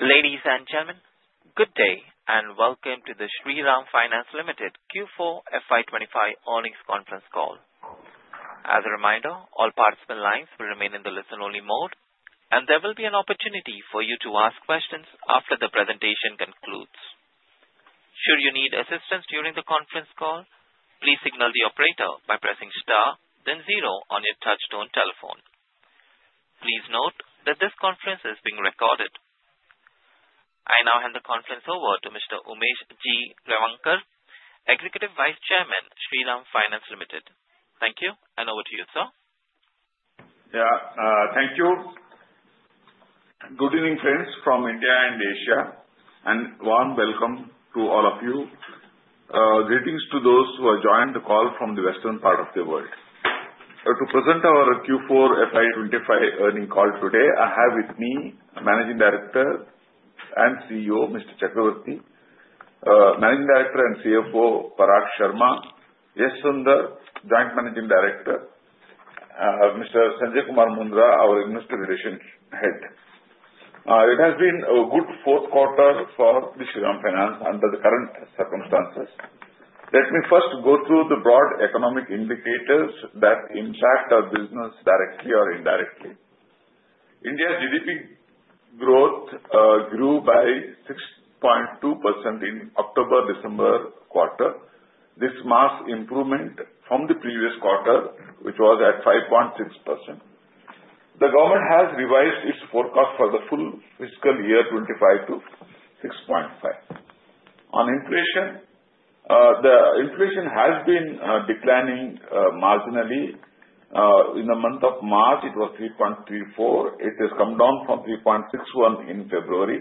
Ladies and gentlemen, good day and welcome to the Shriram Finance Limited Q4 FY 2025 earnings conference call. As a reminder, all participant lines will remain in the listen-only mode, and there will be an opportunity for you to ask questions after the presentation concludes. Should you need assistance during the conference call, please signal the operator by pressing star, then zero on your touchstone telephone. Please note that this conference is being recorded. I now hand the conference over to Mr. Umesh G. Revankar, Executive Vice Chairman, Shriram Finance Limited. Thank you, and over to you, sir. Yeah, thank you. Good evening, friends from India and Asia, and warm welcome to all of you. Greetings to those who have joined the call from the western part of the world. To present our Q4 FY 2025 earnings call today, I have with me Managing Director and CEO, Mr. Chakravarti, Managing Director and CFO, Parag Sharma, S Sunder, Joint Managing Director, Mr. Sanjay Kumar Mundra, our Investor Relations Head. It has been a good fourth quarter for Shriram Finance under the current circumstances. Let me first go through the broad economic indicators that impact our business directly or indirectly. India's GDP growth grew by 6.2% in the October-December quarter. This marks improvement from the previous quarter, which was at 5.6%. The government has revised its forecast for the full fiscal year 2025 to 6.5%. On inflation, the inflation has been declining marginally. In the month of March, it was 3.34%. It has come down from 3.61% in February.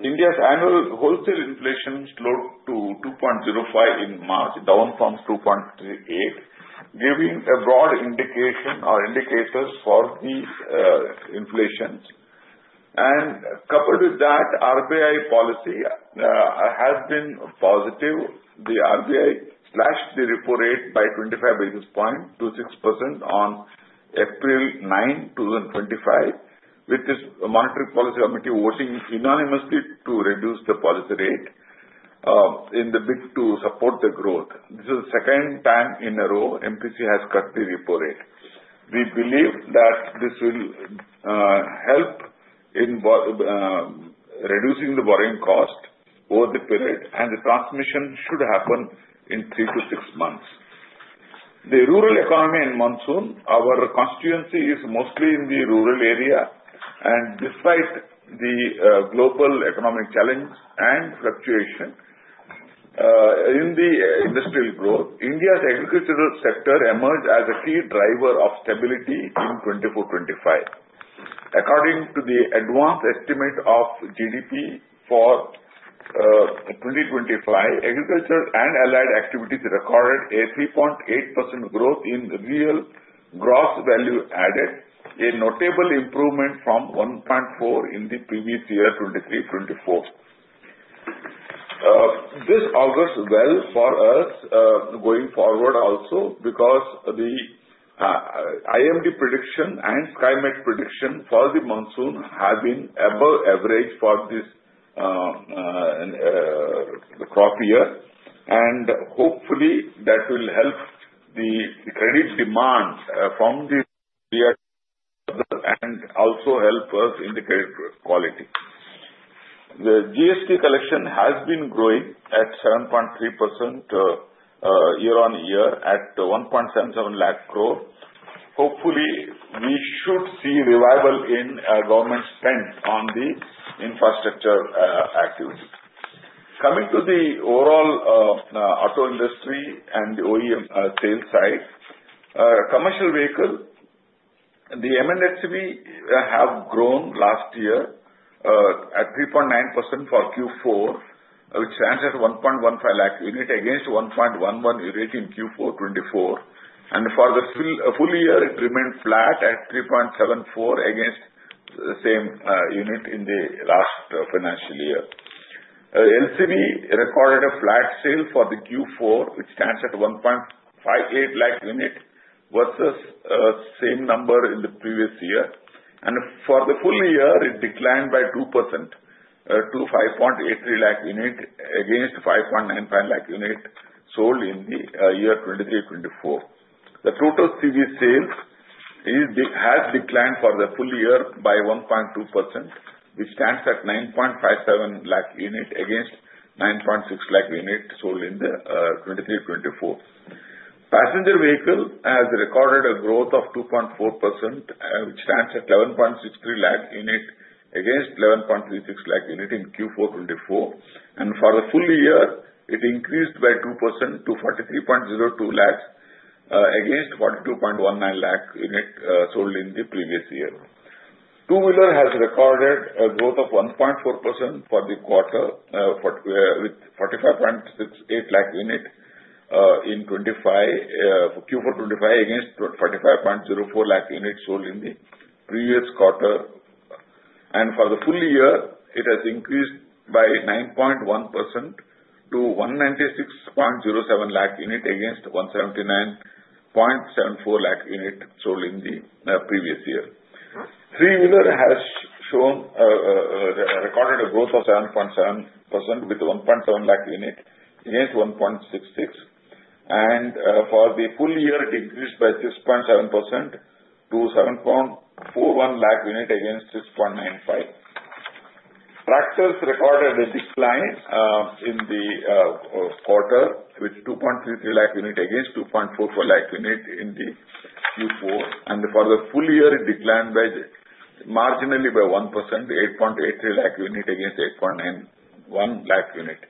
India's annual wholesale inflation slowed to 2.05% in March, down from 2.38%, giving a broad indication or indicators for the inflation. Coupled with that, RBI policy has been positive. The RBI slashed the repo rate by 25 basis points to 6% on April 9, 2025, with the Monetary Policy Committee voting unanimously to reduce the policy rate in the bid to support the growth. This is the second time in a row the MPC has cut the repo rate. We believe that this will help in reducing the borrowing cost over the period, and the transmission should happen in three to six months. The rural economy and monsoon, our constituency is mostly in the rural area, and despite the global economic challenge and fluctuation in the industrial growth, India's agricultural sector emerged as a key driver of stability in 2024-2025. According to the advanced estimate of GDP for 2025, agriculture and allied activities recorded a 3.8% growth in real gross value added, a notable improvement from 1.4% in the previous year, 2023-2024. This augurs well for us going forward also because the IMD prediction and Skymet prediction for the monsoon have been above average for this crop year, and hopefully that will help the credit demand from the year and also help us in the credit quality. The GST collection has been growing at 7.3% year-on-year at 1.77 lakh crore. Hopefully, we should see revival in government spend on the infrastructure activity. Coming to the overall auto industry and the OEM sales side, commercial vehicle, the MNHCV have grown last year at 3.9% for Q4, which stands at 1.15 lakh units against 1.11 lakh units in Q4 2024. For the full year, it remained flat at 3.74 lakh units against the same units in the last financial year. LCV recorded a flat sale for Q4, which stands at 1.58 lakh units versus the same number in the previous year. For the full year, it declined by 2% to 5.83 lakh units against 5.95 lakh units sold in the year 2023-2024. The total CV sales has declined for the full year by 1.2%, which stands at 9.57 lakh units against 9.6 lakh units sold in 2023-2024. Passenger vehicle has recorded a growth of 2.4%, which stands at 11.63 lakh units against 11.36 lakh units in Q4 2024. For the full year, it increased by 2% to 43.02 lakh units against 42.19 lakh units sold in the previous year. Two-wheeler has recorded a growth of 1.4% for the quarter with 45.68 lakh units in Q4 2025 against 45.04 lakh units sold in the previous quarter. For the full year, it has increased by 9.1% to 196.07 lakh units against 179.74 lakh units sold in the previous year. Three-wheeler has recorded a growth of 7.7% with 1.7 lakh units against 1.66 lakh units, and for the full year, it decreased by 6.7% to 7.41 lakh units against 6.95 lakh units. Tractors recorded a decline in the quarter with 2.33 lakh units against 2.44 lakh units in Q4. For the full year, it declined marginally by 1%, 8.83 lakh units against 8.91 lakh units.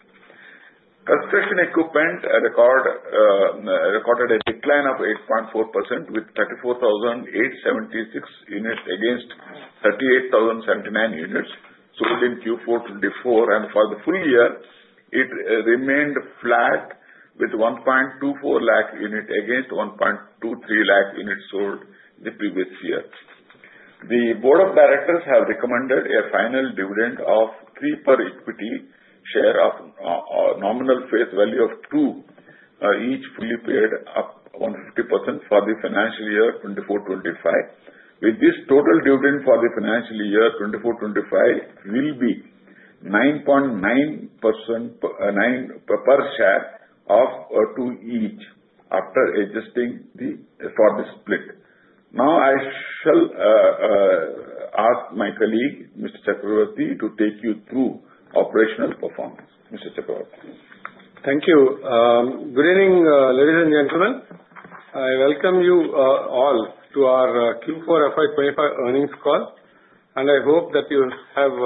Construction equipment recorded a decline of 8.4% with 34,876 units against 38,079 units sold in Q4-2024. For the full year, it remained flat with 1.24 lakh units against 1.23 lakh units sold in the previous year. The Board of Directors have recommended a final dividend of 3 per equity share of nominal face value of 2 each fully paid up, 150% for the financial year 2024-2025. With this, total dividend for the financial year 2024-2025 will be 9.9% per share of 2 each after adjusting for the split. Now, I shall ask my colleague, Mr. Chakravarti, to take you through operational performance. Mr. Chakravarti. Thank you. Good evening, ladies and gentlemen. I welcome you all to our Q4 FY 2025 earnings call, and I hope that you have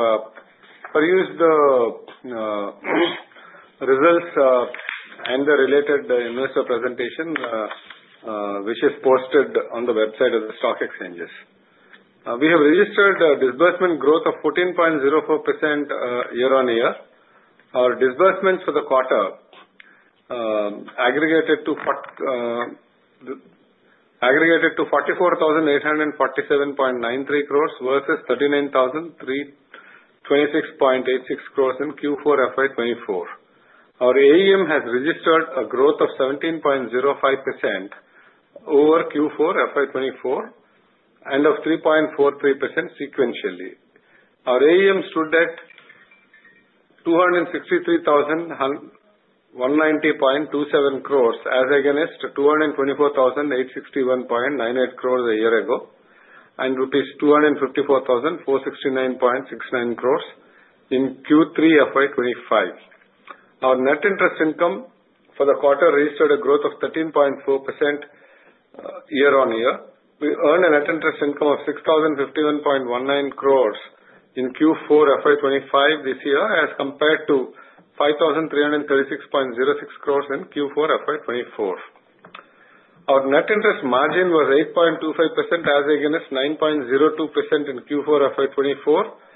perused the results and the related investor presentation, which is posted on the website of the stock exchanges. We have registered a disbursement growth of 14.04% year-on-year. Our disbursements for the quarter aggregated to 44,847.93 crore versus 39,026.86 crore in Q4 FY 2024. Our AUM has registered a growth of 17.05% over Q4 FY 2024 and of 3.43% sequentially. Our AUM stood at 263,190.27 crore as against 224,861.98 crore a year ago and rupees 254,469.69 crore in Q3 FY 2025. Our net interest income for the quarter registered a growth of 13.4% year-on-year. We earned a net interest income of 6,051.19 crore in Q4 FY 2025 this year as compared to 5,336.06 crore in Q4 FY 2024. Our net interest margin was 8.25% as against 9.02% in Q4 FY 2024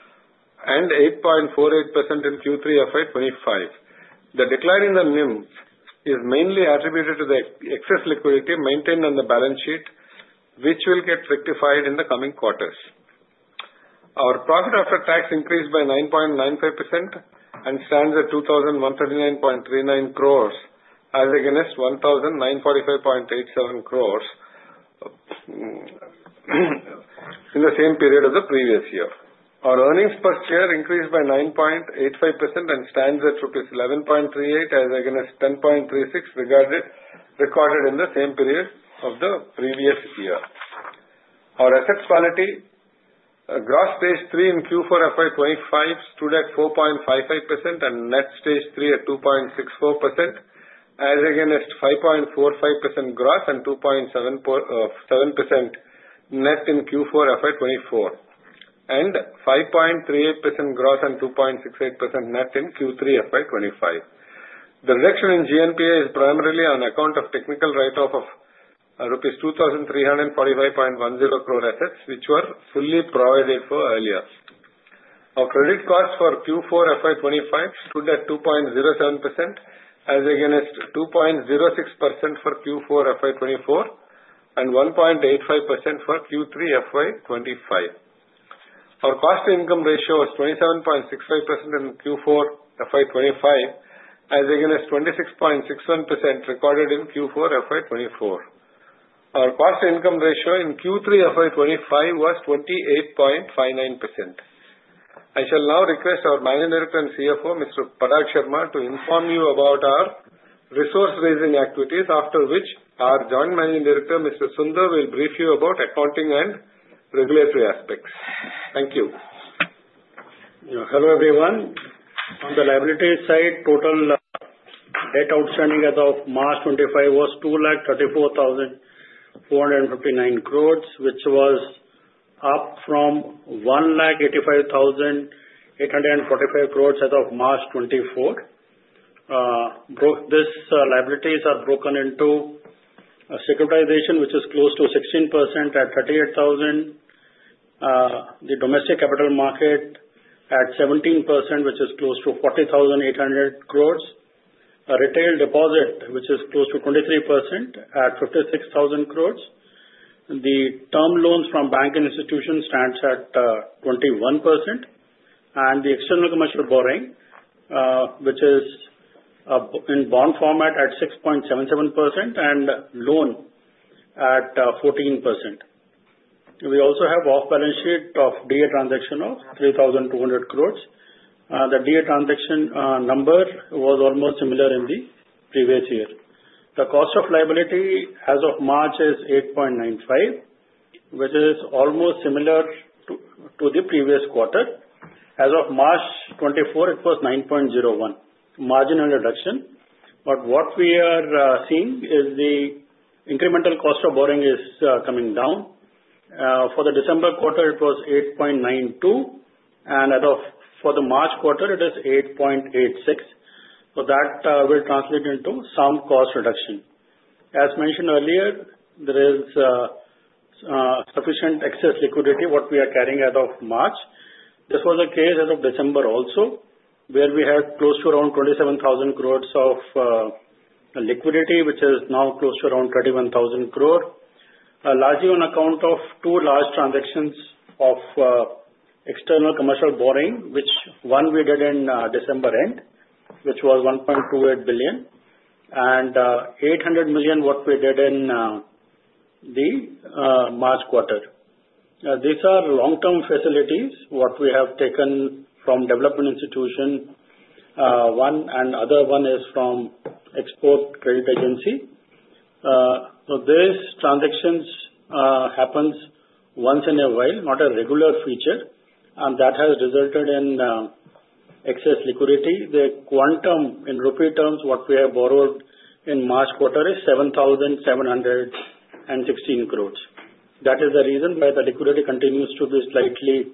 and 8.48% in Q3 FY 2025. The decline in the NIMs is mainly attributed to the excess liquidity maintained on the balance sheet, which will get rectified in the coming quarters. Our profit after tax increased by 9.95% and stands at 2,139.39 crore as against 1,945.87 crore in the same period of the previous year. Our earnings per share increased by 9.85% and stands at rupees 11.38 as against 10.36 recorded in the same period of the previous year. Our asset quality, gross Stage 3 in Q4 FY 2025 stood at 4.55% and net Stage 3 at 2.64% as against 5.45% gross and 2.7% net in Q4 FY 2024, and 5.38% gross and 2.68% net in Q3 FY 2025. The reduction in GNPA is primarily on account of technical write-off of rupees 2,345.10 crore assets, which were fully provided for earlier. Our credit cost for Q4 FY 2025 stood at 2.07% as against 2.06% for Q4 FY 2024 and 1.85% for Q3 FY 2025. Our cost-to-income ratio was 27.65% in Q4 FY 2025 as against 26.61% recorded in Q4 FY 2024. Our cost-to-income ratio in Q3 FY 2025 was 28.59%. I shall now request our Managing Director and CFO, Mr. Parag Sharma, to inform you about our resource raising activities, after which our Joint Managing Director, Mr. Sunder, will brief you about accounting and regulatory aspects. Thank you. Hello, everyone. On the liability side, total debt outstanding as of March 2025 was INR 2,34,459 crore, which was up from 1,85,845 crore as of March 2024. These liabilities are broken into securitization, which is close to 16% at 38,000 crore. The domestic capital market at 17%, which is close to 40,800 crore. Retail deposit, which is close to 23% at 56,000 crore. The term loans from banking institutions stands at 21%, and the external commercial borrowing, which is in bond format at 6.77% and loan at 14%. We also have off-balance sheet of DA transaction of 3,200 crore. The DA transaction number was almost similar in the previous year. The cost of liability as of March is 8.95%, which is almost similar to the previous quarter. As of March 2024, it was 9.01%, marginal reduction. What we are seeing is the incremental cost of borrowing is coming down. For the December quarter, it was 8.92, and for the March quarter, it is 8.86. That will translate into some cost reduction. As mentioned earlier, there is sufficient excess liquidity what we are carrying as of March. This was the case as of December also, where we had close to around 27,000 crore of liquidity, which is now close to around 31,000 crore, largely on account of two large transactions of external commercial borrowing, which one we did in December end, which was $1.28 billion, and $800 million what we did in the March quarter. These are long-term facilities what we have taken from development institution. One and other one is from export credit agency. These transactions happen once in a while, not a regular feature, and that has resulted in excess liquidity. The quantum in rupee terms what we have borrowed in March quarter is 7,716 crore. That is the reason why the liquidity continues to be slightly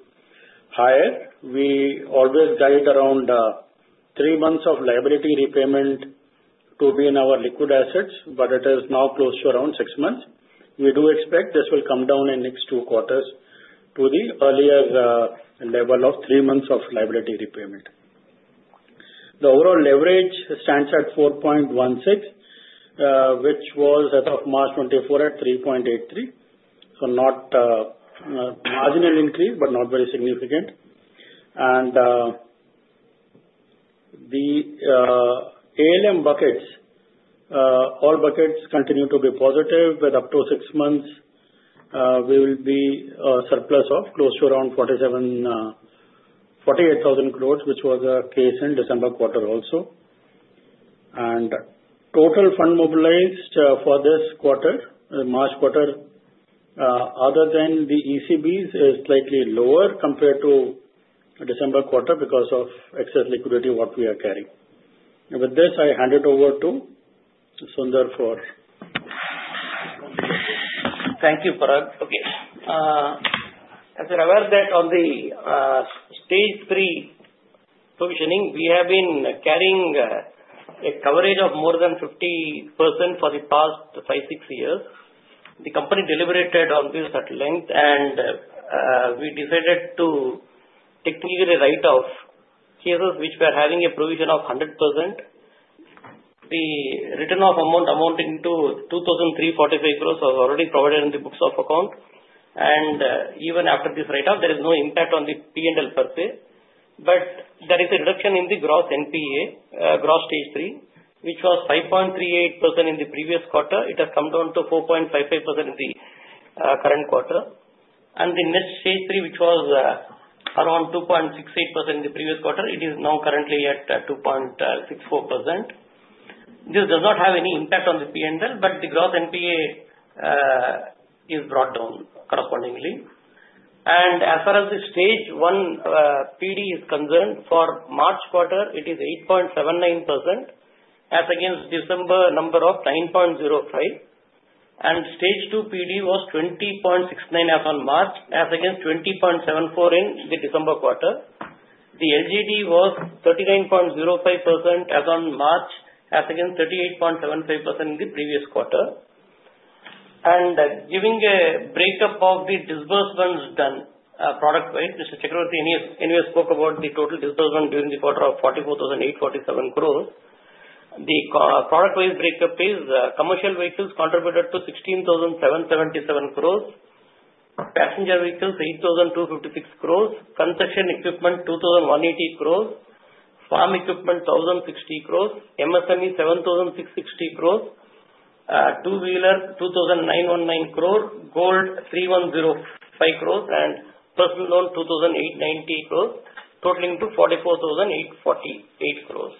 higher. We always guide around three months of liability repayment to be in our liquid assets, but it is now close to around six months. We do expect this will come down in the next two quarters to the earlier level of three months of liability repayment. The overall leverage stands at 4.16, which was as of March 2024 at 3.83. Not marginal increase, but not very significant. The ALM buckets, all buckets continue to be positive with up to six months. We will be surplus of close to around 48,000 crore, which was a case in December quarter also. Total fund mobilized for this quarter, March quarter, other than the ECBs, is slightly lower compared to December quarter because of excess liquidity what we are carrying. With this, I hand it over to Sundar for. Thank you, Parag. Okay. As a revert, on the Stage 3 provisioning, we have been carrying a coverage of more than 50% for the past five, six years. The company deliberated on this at length, and we decided to take the write-off cases, which we are having a provision of 100%. The return of amount amounting to 2,345 crore was already provided in the books of account. Even after this write-off, there is no impact on the P&L per se. There is a reduction in the gross NPA, gross Stage 3, which was 5.38% in the previous quarter. It has come down to 4.55% in the current quarter. The net Stage 3, which was around 2.68% in the previous quarter, is now currently at 2.64%. This does not have any impact on the P&L, but the gross NPA is brought down correspondingly. As far as the Stage 1 PD is concerned, for the March quarter, it is 8.79% as against the December number of 9.05. Stage 2 PD was 20.69 as on March, as against 20.74 in the December quarter. The LGD was 39.05% as on March, as against 38.75% in the previous quarter. Giving a breakup of the disbursements done product-wise, Mr. Chakravarti, anyway, spoke about the total disbursement during the quarter of 44,847 crore. The product-wise breakup is commercial vehicles contributed to 16,777 crore, passenger vehicles 8,256 crore, construction equipment 2,180 crore, farm equipment 1,060 crore, MSME 7,660 crore, two-wheeler 2,919 crore, gold 3,105 crore, and personal loan 2,890 crore, totaling to 44,848 crore.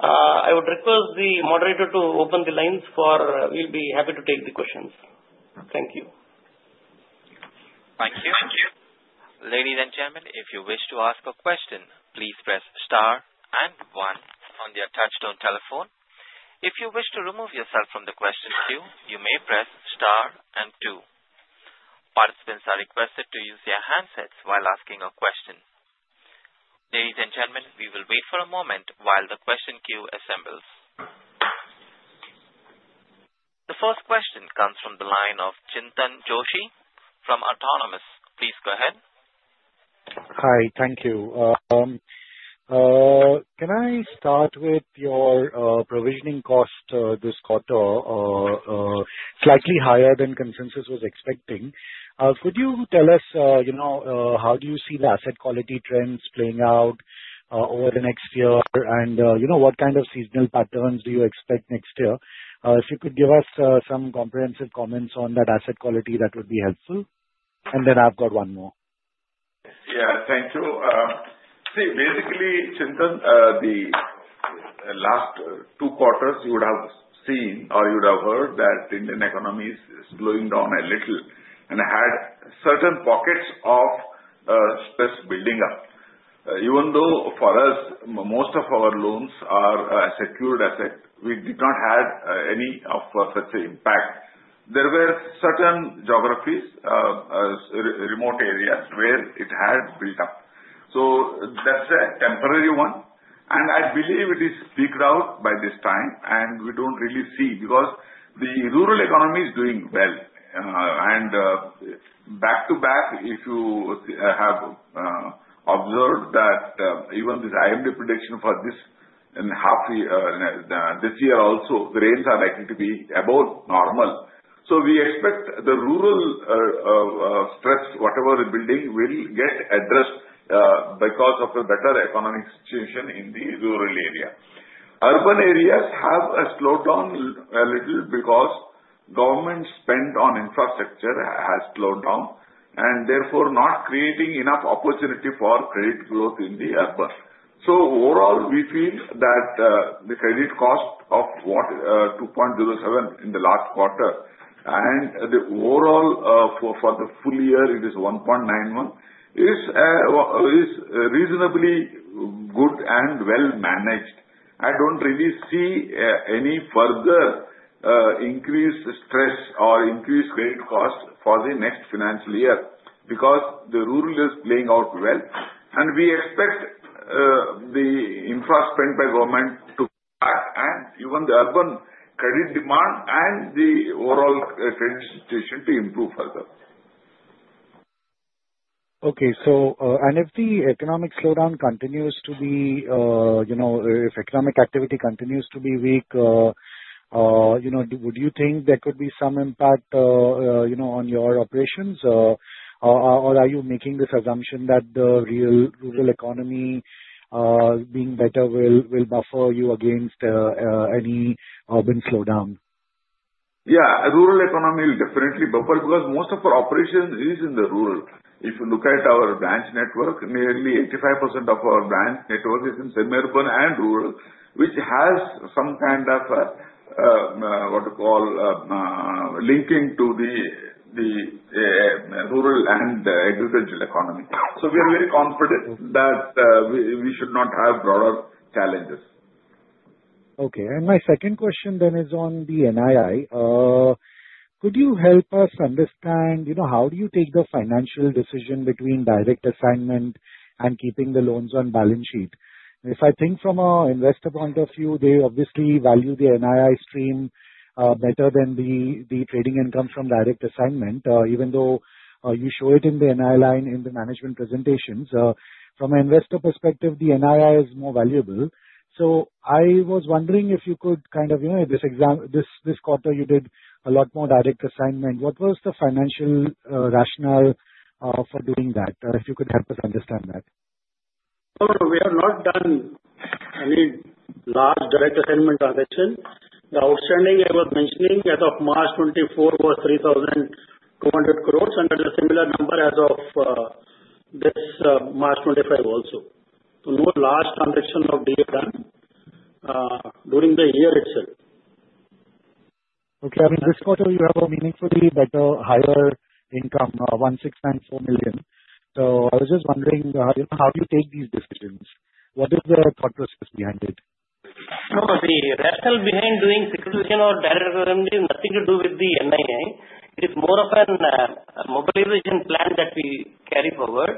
I would request the moderator to open the lines for questions. We will be happy to take the questions. Thank you. Thank you. Ladies and gentlemen, if you wish to ask a question, please press star and one on your touchstone telephone. If you wish to remove yourself from the question queue, you may press star and two. Participants are requested to use their handsets while asking a question. Ladies and gentlemen, we will wait for a moment while the question queue assembles. The first question comes from the line of Chintan Joshi from Autonomous. Please go ahead. Hi. Thank you. Can I start with your provisioning cost this quarter? Slightly higher than consensus was expecting. Could you tell us how do you see the asset quality trends playing out over the next year? What kind of seasonal patterns do you expect next year? If you could give us some comprehensive comments on that asset quality, that would be helpful. I have got one more. Yeah. Thank you. See, basically, Chintan, the last two quarters, you would have seen or you would have heard that Indian economy is slowing down a little and had certain pockets of stress building up. Even though for us, most of our loans are secured asset, we did not have any of such an impact. There were certain geographies, remote areas, where it had built up. That is a temporary one. I believe it is figured out by this time, and we don't really see because the rural economy is doing well. Back to back, if you have observed that even the IMD prediction for this half this year also, the rates are likely to be above normal. We expect the rural stress, whatever building, will get addressed because of a better economic situation in the rural area. Urban areas have slowed down a little because government spend on infrastructure has slowed down and therefore not creating enough opportunity for credit growth in the urban. Overall, we feel that the credit cost of 2.07 in the last quarter and the overall for the full year, it is 1.91, is reasonably good and well managed. I don't really see any further increased stress or increased credit cost for the next financial year because the rural is playing out well. We expect the infra spend by government to cut and even the urban credit demand and the overall credit situation to improve further. Okay. If the economic slowdown continues to be, if economic activity continues to be weak, would you think there could be some impact on your operations? Or are you making this assumption that the real rural economy being better will buffer you against any urban slowdown? Yeah. Rural economy will definitely buffer because most of our operations is in the rural. If you look at our branch network, nearly 85% of our branch network is in semi-urban and rural, which has some kind of what do you call linking to the rural and agricultural economy. We are very confident that we should not have broader challenges. Okay. My second question then is on the NII. Could you help us understand how do you take the financial decision between direct assignment and keeping the loans on balance sheet? If I think from an investor point of view, they obviously value the NII stream better than the trading income from direct assignment, even though you show it in the NII line in the management presentations. From an investor perspective, the NII is more valuable. I was wondering if you could kind of this quarter, you did a lot more direct assignment. What was the financial rationale for doing that? If you could help us understand that. Oh, we have not done any large direct assignment transaction. The outstanding I was mentioning as of March 2024 was 3,200 crore and there's a similar number as of this March 2025 also. No large transaction of DA done during the year itself. Okay. I mean, this quarter, you have a meaningfully better higher income, 1,694 million. I was just wondering how do you take these decisions? What is the thought process behind it? No, the rationale behind doing securitization or direct assignment is nothing to do with the NII. It is more of a mobilization plan that we carry forward.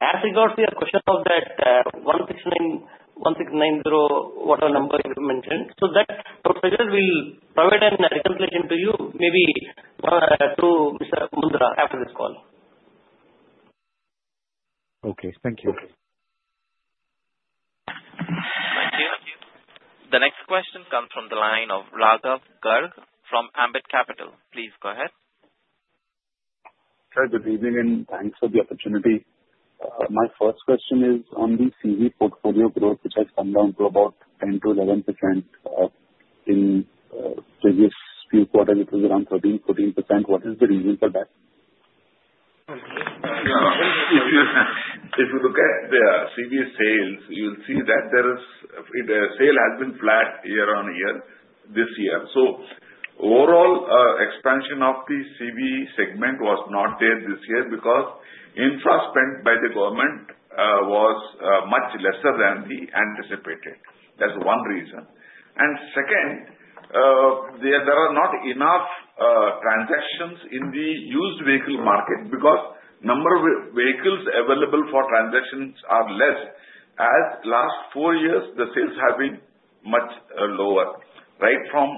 As regards to your question of that 1,690, whatever number you mentioned, I would suggest we will provide a reconciliation to you, maybe to Mr. Mundra after this call. Okay. Thank you. Thank you. The next question comes from the line of Raghav Garg from Ambit Capital. Please go ahead. Hi. Good evening and thanks for the opportunity. My first question is on the CV portfolio growth, which has come down to about 10%-11%. In previous few quarters, it was around 13%-14%. What is the reason for that? If you look at the CV sales, you'll see that the sale has been flat year-on-year this year. Overall, expansion of the CV segment was not there this year because infra spend by the government was much lesser than anticipated. That's one reason. Second, there are not enough transactions in the used vehicle market because the number of vehicles available for transactions are less. As the last four years, the sales have been much lower, right from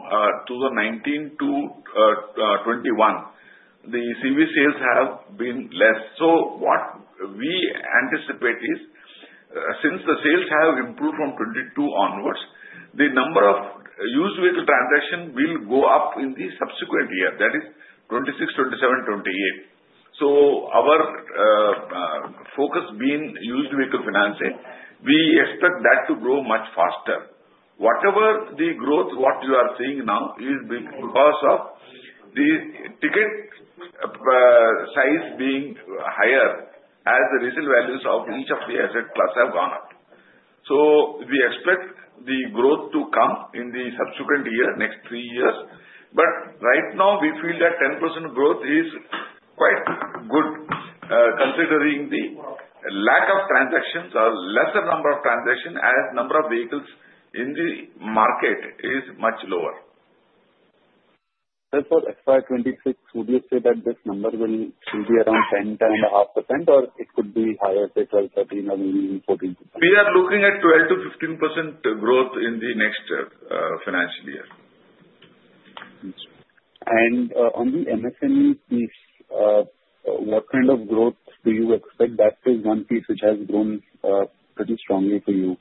2019 to 2021. The CV sales have been less. What we anticipate is since the sales have improved from 2022 onwards, the number of used vehicle transactions will go up in the subsequent year, that is 2026, 2027, 2028. Our focus being used vehicle financing, we expect that to grow much faster. Whatever the growth, what you are seeing now is because of the ticket size being higher as the resale values of each of the asset classes have gone up. We expect the growth to come in the subsequent year, next three years. Right now, we feel that 10% growth is quite good considering the lack of transactions or lesser number of transactions as the number of vehicles in the market is much lower. As for FY 2026, would you say that this number will still be around 10%-10.5%, or it could be higher to 12%-13%, or even 14%? We are looking at 12%-15% growth in the next financial year. On the MSME piece, what kind of growth do you expect? That is one piece which has grown pretty strongly for you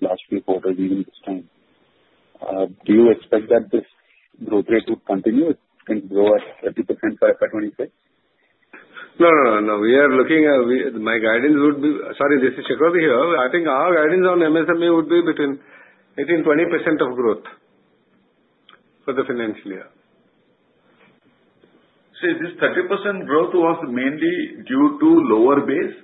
last few quarters, even this time. Do you expect that this growth rate would continue? It can grow at 30% for FY 2026? No, no, no. We are looking at my guidance would be sorry, this is Chakravarti. I think our guidance on MSME would be between 18-20% of growth for the financial year. See, this 30% growth was mainly due to lower base.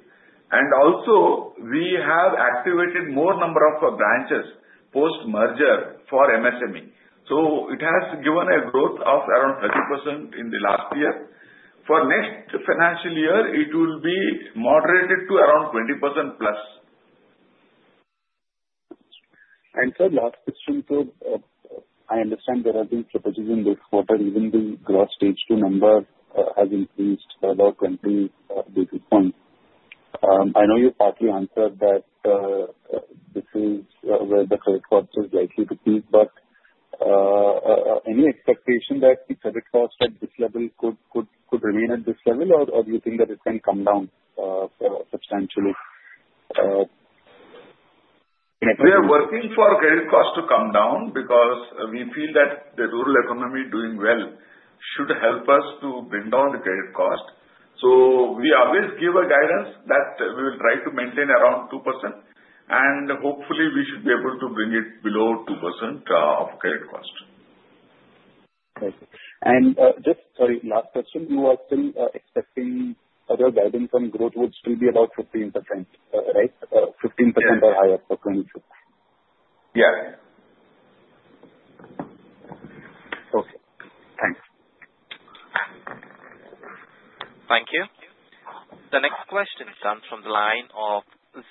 Also, we have activated more number of branches post-merger for MSME. It has given a growth of around 30% in the last year. For next financial year, it will be moderated to around 20%+. Sir, last question too. I understand there have been surpluses in this quarter, even though gross Stage 2 number has increased by about 20 basis points. I know you partly answered that this is where the credit cost is likely to peak, but any expectation that the credit cost at this level could remain at this level, or do you think that it can come down substantially? We are working for credit cost to come down because we feel that the rural economy doing well should help us to bring down the credit cost. We always give a guidance that we will try to maintain around 2%. Hopefully, we should be able to bring it below 2% of credit cost. Thank you. Just, sorry, last question. You are still expecting your guidance on growth would still be about 15%, right? 15% or higher for 2022? Yes. Okay. Thanks. Thank you. The next question comes from the line of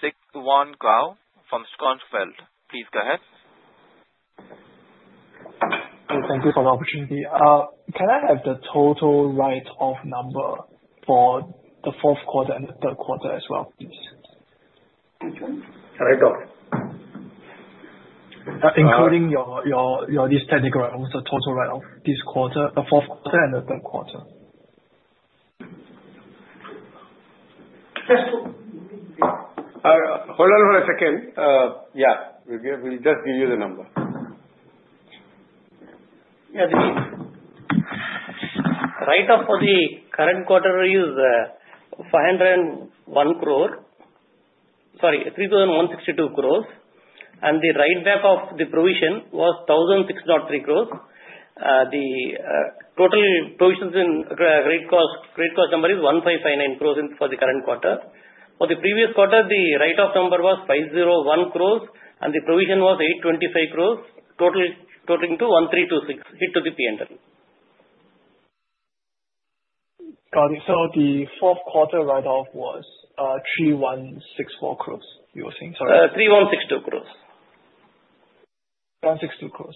Zhixuan Gao from Schonfeld. Please go ahead. Thank you for the opportunity. Can I have the total write-off number for the fourth quarter and the third quarter as well, please? Thank you. Including this technical right, also total right of this quarter, the fourth quarter and the third quarter. Hold on for a second. Yeah. We'll just give you the number. Yeah. Right off for the current quarter is 501 crore. Sorry, 3,162 crore. And the write-back of the provision was 1,603 crore. The total provisions in credit cost number is 1,559 crore for the current quarter. For the previous quarter, the write-off number was 5,001 crore, and the provision was 825 crore, totaling to 1,326. It took the P&L. Got it. The fourth quarter write-off was 3,164 crore, you were saying. Sorry. 3,162 crores. 3,162 crore.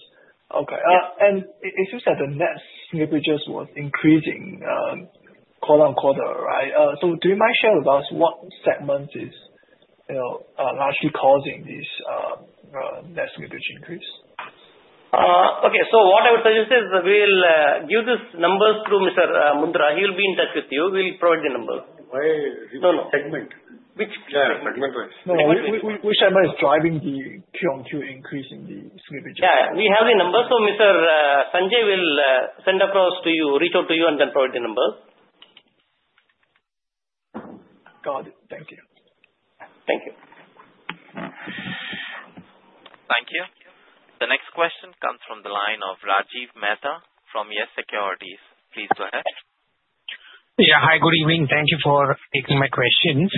Okay. As you said, the net slippages was increasing quarter on quarter, right? Do you mind sharing with us what segment is largely causing this net slippage increase? Okay. What I would suggest is we'll give this number to Mr. Mundra. He will be in touch with you. We'll provide the number. Which segment is driving the QoQ increase in the slippage? Yeah. We have the number. Mr. Sanjay will send across to you, reach out to you, and then provide the number. Got it. Thank you. Thank you. Thank you. The next question comes from the line of Rajiv Mehta from YES Securities. Please go ahead. Yeah. Hi. Good evening. Thank you for taking my questions.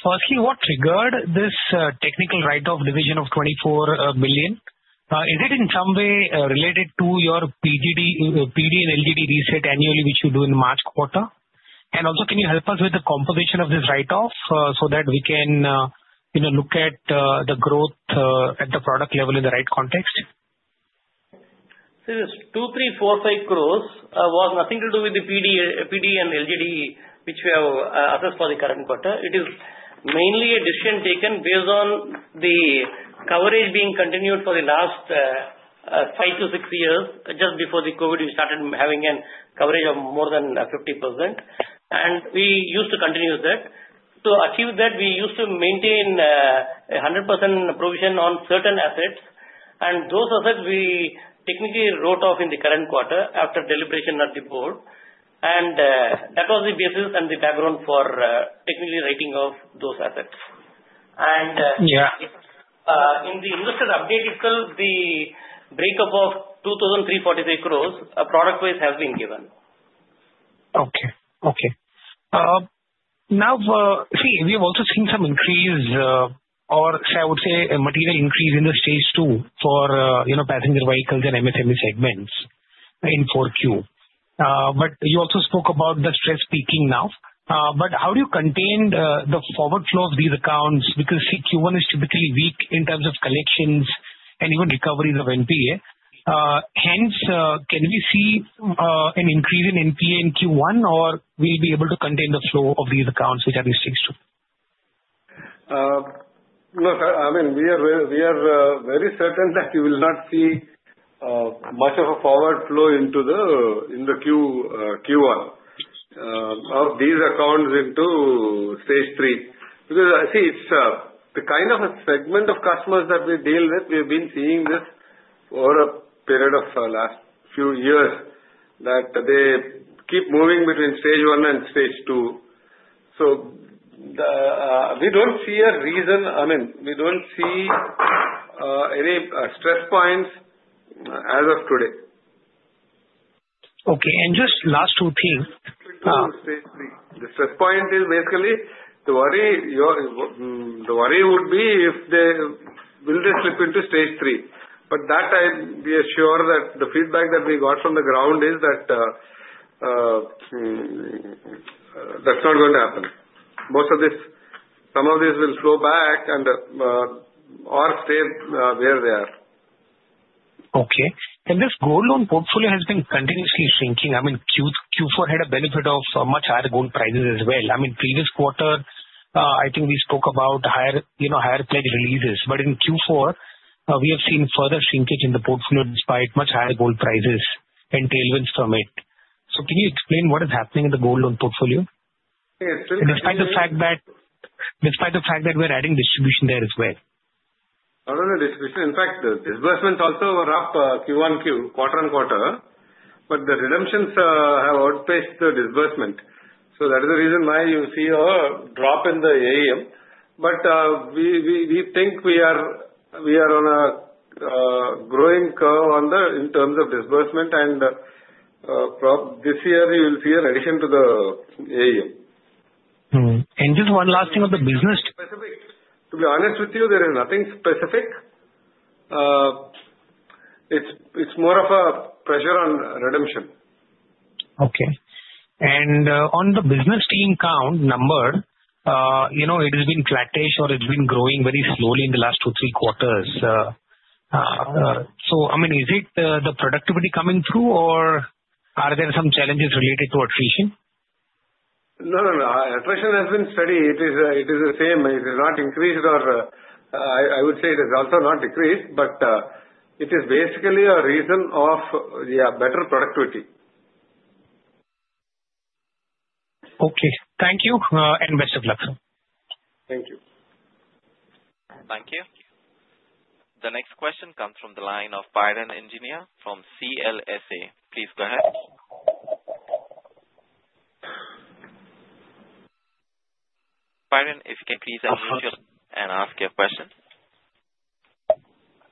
Firstly, what triggered this technical write-off division of 24 billion? Is it in some way related to your PD and LGD reset annually, which you do in March quarter? Also, can you help us with the composition of this write-off so that we can look at the growth at the product level in the right context? See, this 2,345 crore was nothing to do with the PD and LGD, which we have assessed for the current quarter. It is mainly a decision taken based on the coverage being continued for the last five to six years. Just before the COVID, we started having a coverage of more than 50%. We used to continue that. To achieve that, we used to maintain 100% provision on certain assets. Those assets, we technically wrote off in the current quarter after deliberation at the board. That was the basis and the background for technically writing off those assets. In the investor update itself, the breakup of 2,343 crore product-wise has been given. Okay. Okay. Now, see, we've also seen some increase or, say, I would say a material increase in the Stage 2 for passenger vehicles and MSME segments in Q4. You also spoke about the stress peaking now. How do you contain the forward flow of these accounts? Q1 is typically weak in terms of collections and even recoveries of NPA. Hence, can we see an increase in NPA in Q1, or will we be able to contain the flow of these accounts which are mistakes too? Look, I mean, we are very certain that you will not see much of a forward flow into the Q1 of these accounts into Stage 3. Because see, it's the kind of a segment of customers that we deal with, we have been seeing this for a period of the last few years that they keep moving between Stage 1 and Stage 2. I mean, we don't see any stress points as of today. Okay. And just last two things. We're going to Stage 3. The stress point is basically the worry would be if they will slip into Stage 3. That, I'm reassured that the feedback that we got from the ground is that that's not going to happen. Most of this, some of these will flow back and or stay where they are. Okay. This gold loan portfolio has been continuously shrinking. I mean, Q4 had a benefit of much higher gold prices as well. I mean, previous quarter, I think we spoke about higher pledge releases. In Q4, we have seen further shrinkage in the portfolio despite much higher gold prices and tailwinds from it. Can you explain what is happening in the gold loan portfolio? Despite the fact that we're adding distribution there as well? Not only distribution. In fact, the disbursements also were up QoQ, quarter-on-quarter. The redemptions have outpaced the disbursement. That is the reason why you see a drop in the AUM. We think we are on a growing curve in terms of disbursement. This year, you will see an addition to the AUM. Just one last thing on the business. Specific. To be honest with you, there is nothing specific. It's more of a pressure on redemption. Okay. On the business team count number, it has been flattish or it's been growing very slowly in the last two, three quarters. I mean, is it the productivity coming through, or are there some challenges related to attrition? No, no, no. Attrition has been steady. It is the same. It has not increased, or I would say it has also not decreased. It is basically a reason of, yeah, better productivity. Okay. Thank you. Best of luck. Thank you. Thank you. The next question comes from the line of Piran Engineer from CLSA. Please go ahead. Piran, if you can please unmute yourself and ask your question.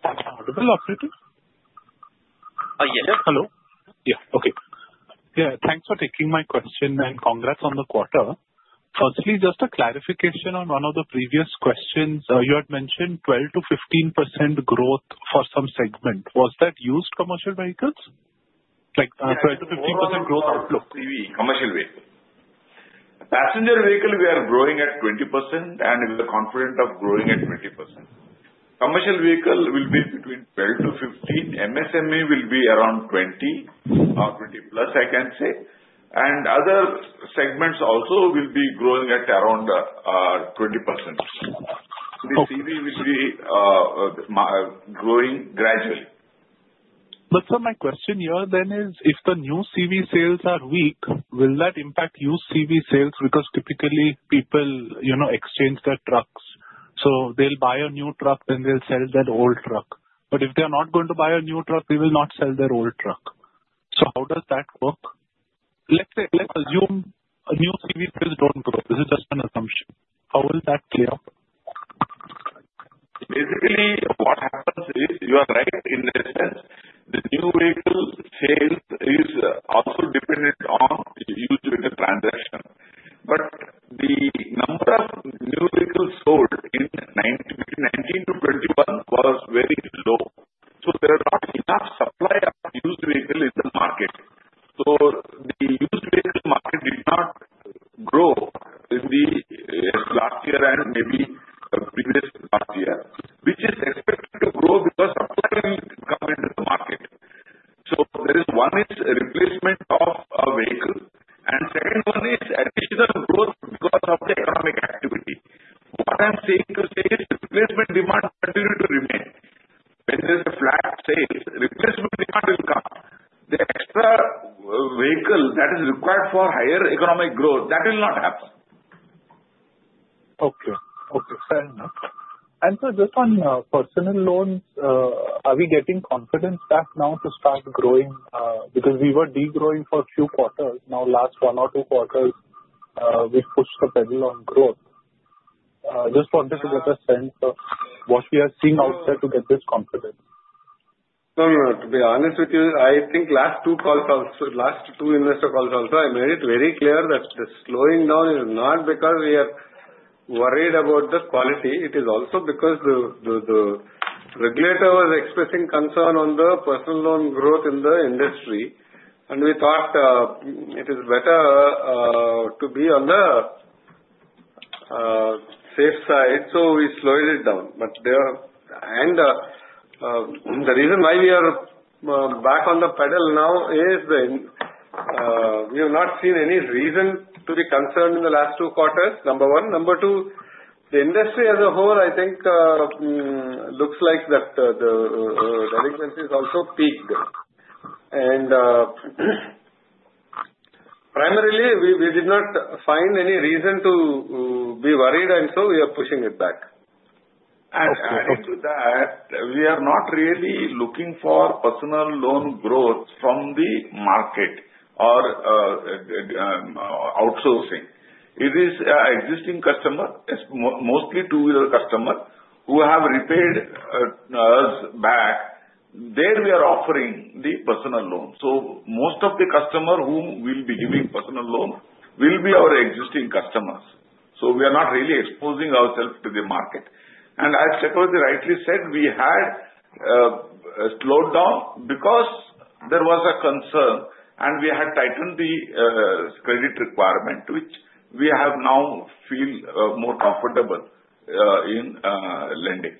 Audible? Yes. Yes. Okay. Yeah. Thanks for taking my question and congrats on the quarter. Firstly, just a clarification on one of the previous questions. You had mentioned 12%-15% growth for some segment. Was that used commercial vehicles? Like 12%-15% growth outlook. Commercial vehicle. Passenger vehicle, we are growing at 20%, and we are confident of growing at 20%. Commercial vehicle will be between 12%-15%. MSME will be around 20% or 20%+, I can say. Other segments also will be growing at around 20%. The CV will be growing gradually. Sir, my question here then is, if the new CV sales are weak, will that impact used CV sales? Because typically, people exchange their trucks. They will buy a new truck, then they will sell that old truck. If they are not going to buy a new truck, they will not sell their old truck. How does that work? Let's assume new CV sales do not grow. This is just an assumption. How will that play out? Basically, what happens is you are right in the sense the new vehicle sales is also dependent on used vehicle transaction. The number of new vehicles sold between 2019 to 2021 was very low. There was not enough supply of used vehicle in the market. The used vehicle market did not grow in the last year and maybe previous last year, which is expected to grow because supply will come into the market. There is one is replacement of a vehicle. The second one is additional growth because of the economic activity. What I am saying to say is replacement demand continues to remain. When there is a flat sales, replacement demand will come. The extra vehicle that is required for higher economic growth, that will not happen. Okay. Okay. Fair enough. Sir, just on personal loans, are we getting confidence back now to start growing? Because we were degrowing for a few quarters. Now, last one or two quarters, we pushed the pedal on growth. Just wanted to get a sense of what we are seeing outside to get this confidence. No, no. To be honest with you, I think last two calls also, last two investor calls also, I made it very clear that the slowing down is not because we are worried about the quality. It is also because the regulator was expressing concern on the personal loan growth in the industry. We thought it is better to be on the safe side, so we slowed it down. The reason why we are back on the pedal now is we have not seen any reason to be concerned in the last two quarters, number one. Number two, the industry as a whole, I think, looks like that the delinquencies also peaked. Primarily, we did not find any reason to be worried, and we are pushing it back. Adding to that, we are not really looking for personal loan growth from the market or outsourcing. It is existing customers, mostly two-year customers, who have repaid us back. There we are offering the personal loan. Most of the customers who will be giving personal loan will be our existing customers. We are not really exposing ourselves to the market. As Chakravarti rightly said, we had a slowdown because there was a concern, and we had tightened the credit requirement, which we have now feel more comfortable in lending.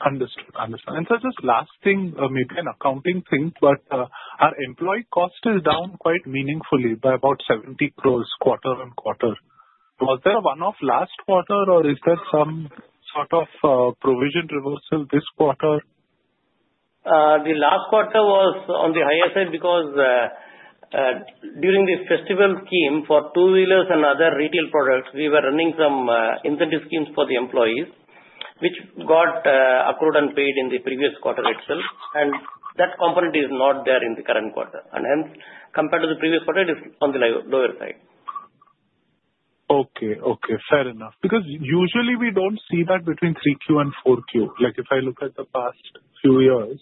Understood. Understood. Sir, just last thing, maybe an accounting thing, but our employee cost is down quite meaningfully by about 70 crores quarter-on-quarter. Was there a one-off last quarter, or is there some sort of provision reversal this quarter? The last quarter was on the higher side because during the festival scheme for two-wheelers and other retail products, we were running some incentive schemes for the employees, which got accrued and paid in the previous quarter itself. That component is not there in the current quarter. Hence, compared to the previous quarter, it is on the lower side. Okay. Okay. Fair enough. Because usually, we don't see that between 3Q and 4Q. Like if I look at the past few years,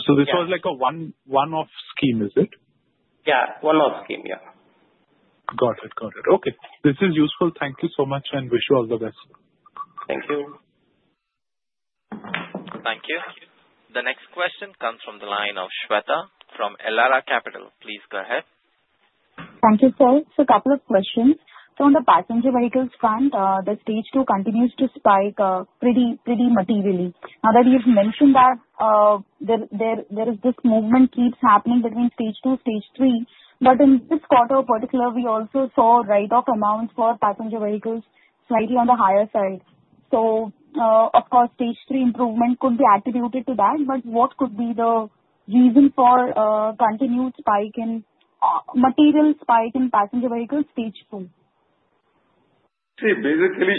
so this was like a one-off scheme, is it? Yeah. One-off scheme. Yeah. Got it. Got it. Okay. This is useful. Thank you so much and wish you all the best. Thank you. Thank you. The next question comes from the line of Shweta from Elara Capitall. Please go ahead. Thank you, sir. Just a couple of questions. On the passenger vehicles front, the Stage 2 continues to spike pretty materially. Now that you've mentioned that this movement keeps happening between Stage 2 and Stage 3, in this quarter in particular, we also saw write-off amounts for passenger vehicles slightly on the higher side. Stage 3 improvement could be attributed to that. What could be the reason for continued spike in material spike in passenger vehicles Stage 2? See, basically,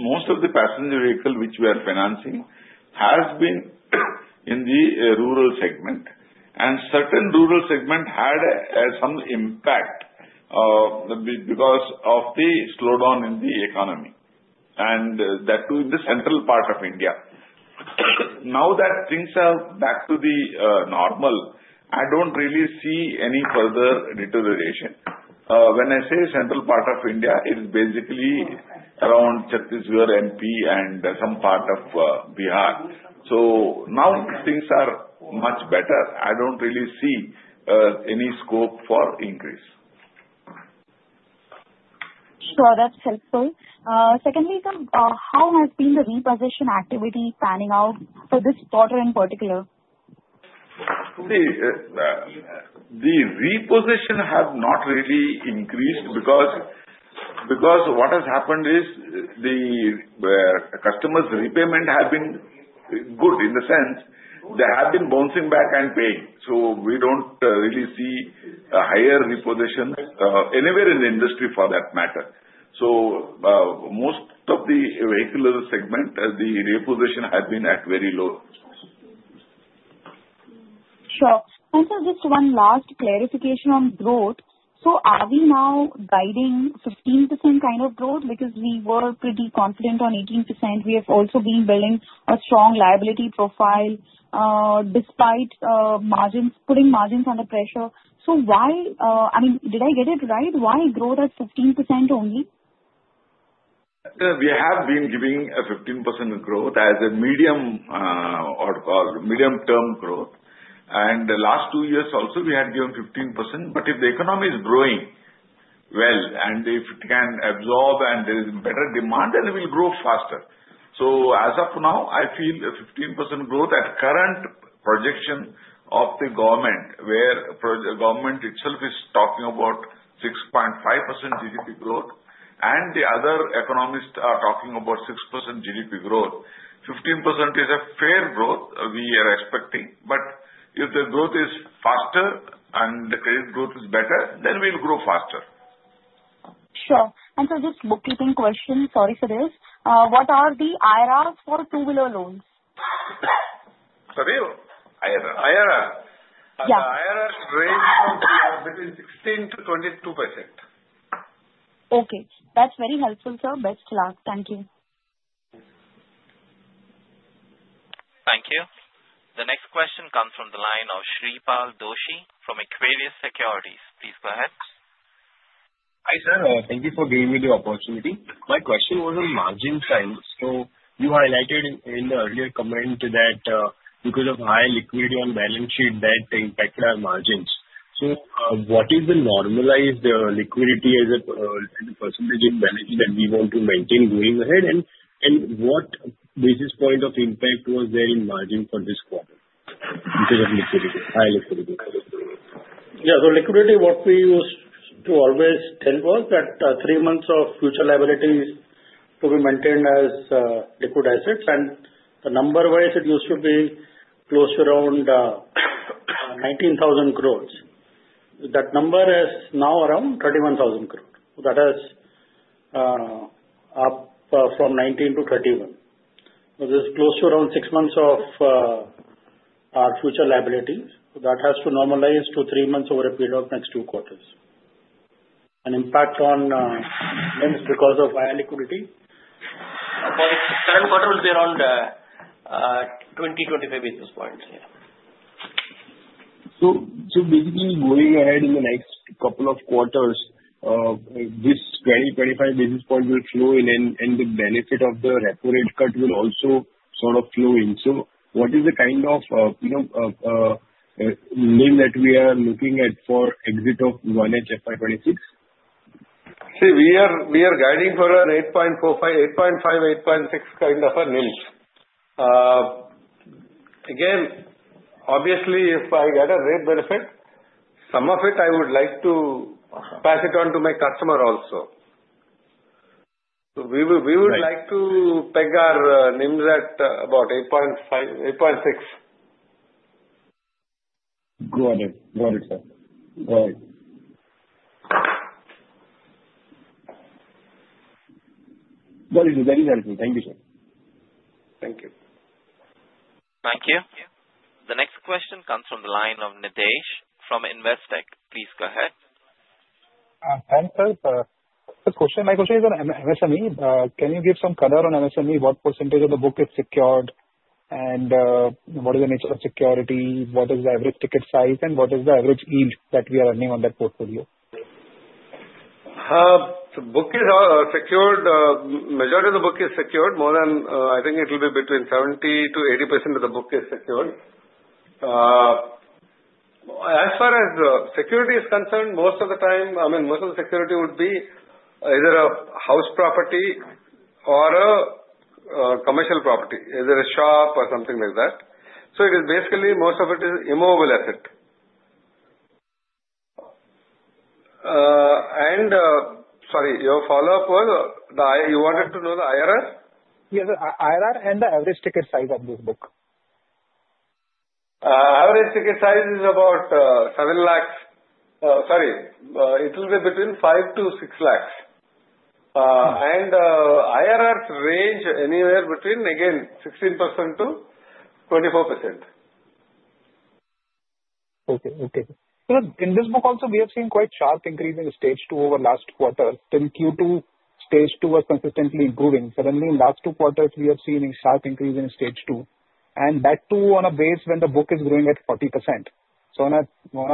most of the passenger vehicles which we are financing has been in the rural segment. Certain rural segment had some impact because of the slowdown in the economy. That too in the central part of India. Now that things are back to the normal, I do not really see any further deterioration. When I say central part of India, it is basically around Chhattisgarh, MP, and some part of Bihar. Now things are much better. I do not really see any scope for increase. Sure. That's helpful. Secondly, sir, how has been the repossession activity panning out for this quarter in particular? See, the repossession has not really increased because what has happened is the customers' repayment has been good in the sense they have been bouncing back and paying. We do not really see a higher repossession anywhere in the industry for that matter. Most of the vehicular segment, the repossession has been at very low. Sure. Sir, just one last clarification on growth. Are we now guiding 15% kind of growth? Because we were pretty confident on 18%. We have also been building a strong liability profile despite putting margins under pressure. I mean, did I get it right? Why growth at 15% only? We have been giving a 15% growth as a medium-term growth. The last two years also, we had given 15%. If the economy is growing well and if it can absorb and there is better demand, it will grow faster. As of now, I feel a 15% growth at current projection of the government, where the government itself is talking about 6.5% GDP growth, and the other economists are talking about 6% GDP growth. 15% is a fair growth we are expecting. If the growth is faster and the credit growth is better, then we'll grow faster. Sure. Sir, just a bookkeeping question. Sorry for this. What are the IRRs for two-wheeler loans? Sorry? IRR? Yeah. IRR is ranging between 16%-22%. Okay. That's very helpful, sir. Best of luck. Thank you. Thank you. The next question comes from the line of Shreepal Doshi from Equirus Securities. Please go ahead. Hi sir. Thank you for giving me the opportunity. My question was on margin size. You highlighted in the earlier comment that because of high liquidity on balance sheet, that impacted our margins. What is the normalized liquidity as a percentage in balance sheet that we want to maintain going ahead? What basis point of impact was there in margin for this quarter because of high liquidity? Yeah. Liquidity, what we used to always tell was that three months of future liabilities to be maintained as liquid assets. The number-wise, it used to be close to around 19,000 crore. That number is now around 31,000 crore. That is up from 19,000 crore-31,000 crore. This is close to around six months of our future liabilities. That has to normalize to three months over a period of next two quarters. Impact on NIMs because of high liquidity. For the current quarter, it will be around 20-25 basis points. Yeah. Basically, going ahead in the next couple of quarters, this 20-25 basis points will flow in, and the benefit of the repo rate cut will also sort of flow in. What is the kind of NIM that we are looking at for exit of first half fiscal year 2026? See, we are guiding for an 8.5-8.6 kind of a NIM. Again, obviously, if I get a rate benefit, some of it I would like to pass it on to my customer also. We would like to peg our NIMs at about 8.6. Got it. Got it, sir. Got it. Very helpful. Thank you, sir. Thank you. Thank you. The next question comes from the line of Nidhesh from Investec. Please go ahead. Thanks, sir. My question is on MSME. Can you give some color on MSME? What percentage of the book is secured? What is the nature of security? What is the average ticket size? What is the average yield that we are earning on that portfolio? The book is secured. The majority of the book is secured. I think it will be between 70%-80% of the book is secured. As far as security is concerned, most of the time, I mean, most of the security would be either a house property or a commercial property, either a shop or something like that. It is basically most of it is immobile asset. Sorry, your follow-up was you wanted to know the IRR? Yes, sir. IRR and the average ticket size of this book. Average ticket size is about 7 lakhs. Sorry. It will be between 5 lakhs-6 laks. IRRs range anywhere between, again, 16%-24%. Okay. Okay. In this book also, we have seen quite sharp increase in Stage 2 over last quarter. Till Q2, Stage 2 was consistently improving. Suddenly, in last two quarters, we have seen a sharp increase in Stage 2. That too on a base when the book is growing at 40%. On a,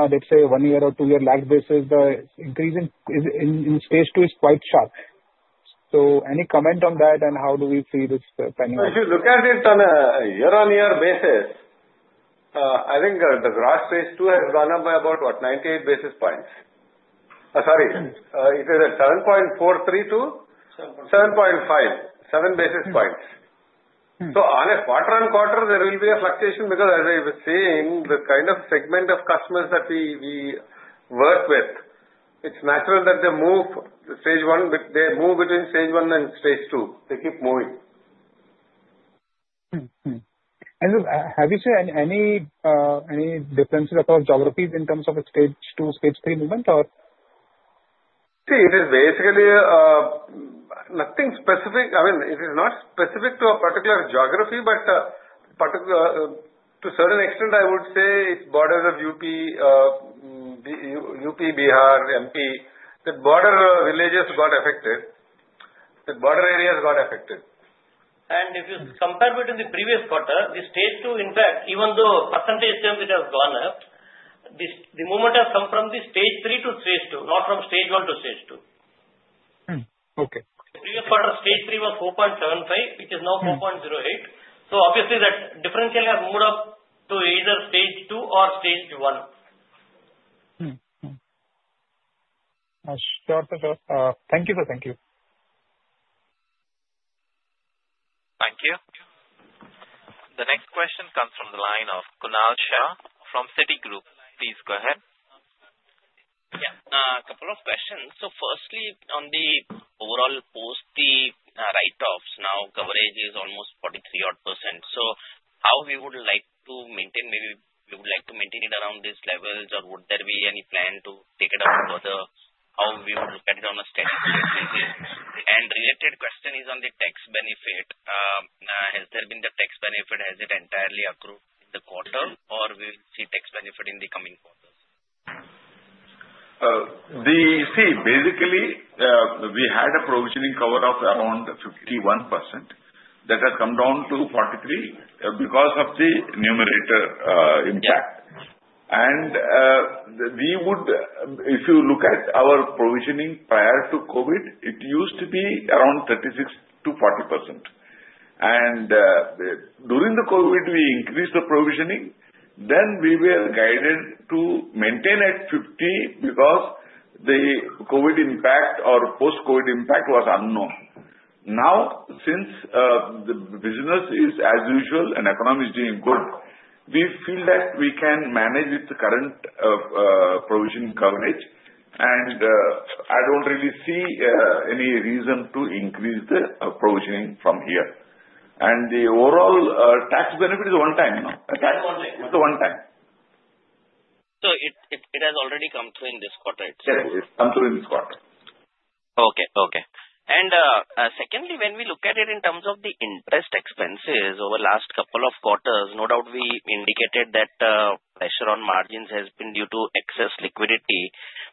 let's say, one-year or two-year lag basis, the increase in Stage 2 is quite sharp. Any comment on that and how do we see this pending? If you look at it on a year-on-year basis, I think the gross Stage 2 has gone up by about, what, 98 basis points. Sorry. It is at 7.43 to 7.5, 7 basis points. On a quarter-on-quarter, there will be a fluctuation because, as I was saying, the kind of segment of customers that we work with, it's natural that they move Stage 1, they move between Stage 1 and Stage 2. They keep moving. Sir, have you seen any differences across geographies in terms of Stage 2, Stage 3 movement, or? See, it is basically nothing specific. I mean, it is not specific to a particular geography, but to a certain extent, I would say it's borders of UP, Bihar, MP. The border villages got affected. The border areas got affected. If you compare between the previous quarter, the Stage 2, in fact, even though percentage terms it has gone up, the movement has come from the Stage 3 to Stage 2, not from Stage 1 to Stage 2. Okay. The previous quarter, Stage 3 was 4.75%, which is now 4.08%. Obviously, that differential has moved up to either Stage 2 or Stage 1. Thank you, sir. Thank you. Thank you. The next question comes from the line of Kunal Shah from Citi Group. Please go ahead. Yeah. A couple of questions. Firstly, on the overall post the write-offs, now coverage is almost 43% odd. How we would like to maintain, maybe we would like to maintain it around these levels, or would there be any plan to take it up further? How we would look at it on a statutory basis? A related question is on the tax benefit. Has there been the tax benefit? Has it entirely accrued in the quarter, or will we see tax benefit in the coming quarters? See, basically, we had a provisioning cover of around 51%. That has come down to 43% because of the numerator impact. If you look at our provisioning prior to COVID, it used to be around 36%-40%. During COVID, we increased the provisioning. We were guided to maintain at 50% because the COVID impact or post-COVID impact was unknown. Now, since the business is as usual and the economy is doing good, we feel that we can manage with the current provisioning coverage. I do not really see any reason to increase the provisioning from here. The overall tax benefit is one time, no? It has already come through in this quarter. Yes. It's come through in this quarter. Okay. Okay. Secondly, when we look at it in terms of the interest expenses over the last couple of quarters, no doubt we indicated that pressure on margins has been due to excess liquidity.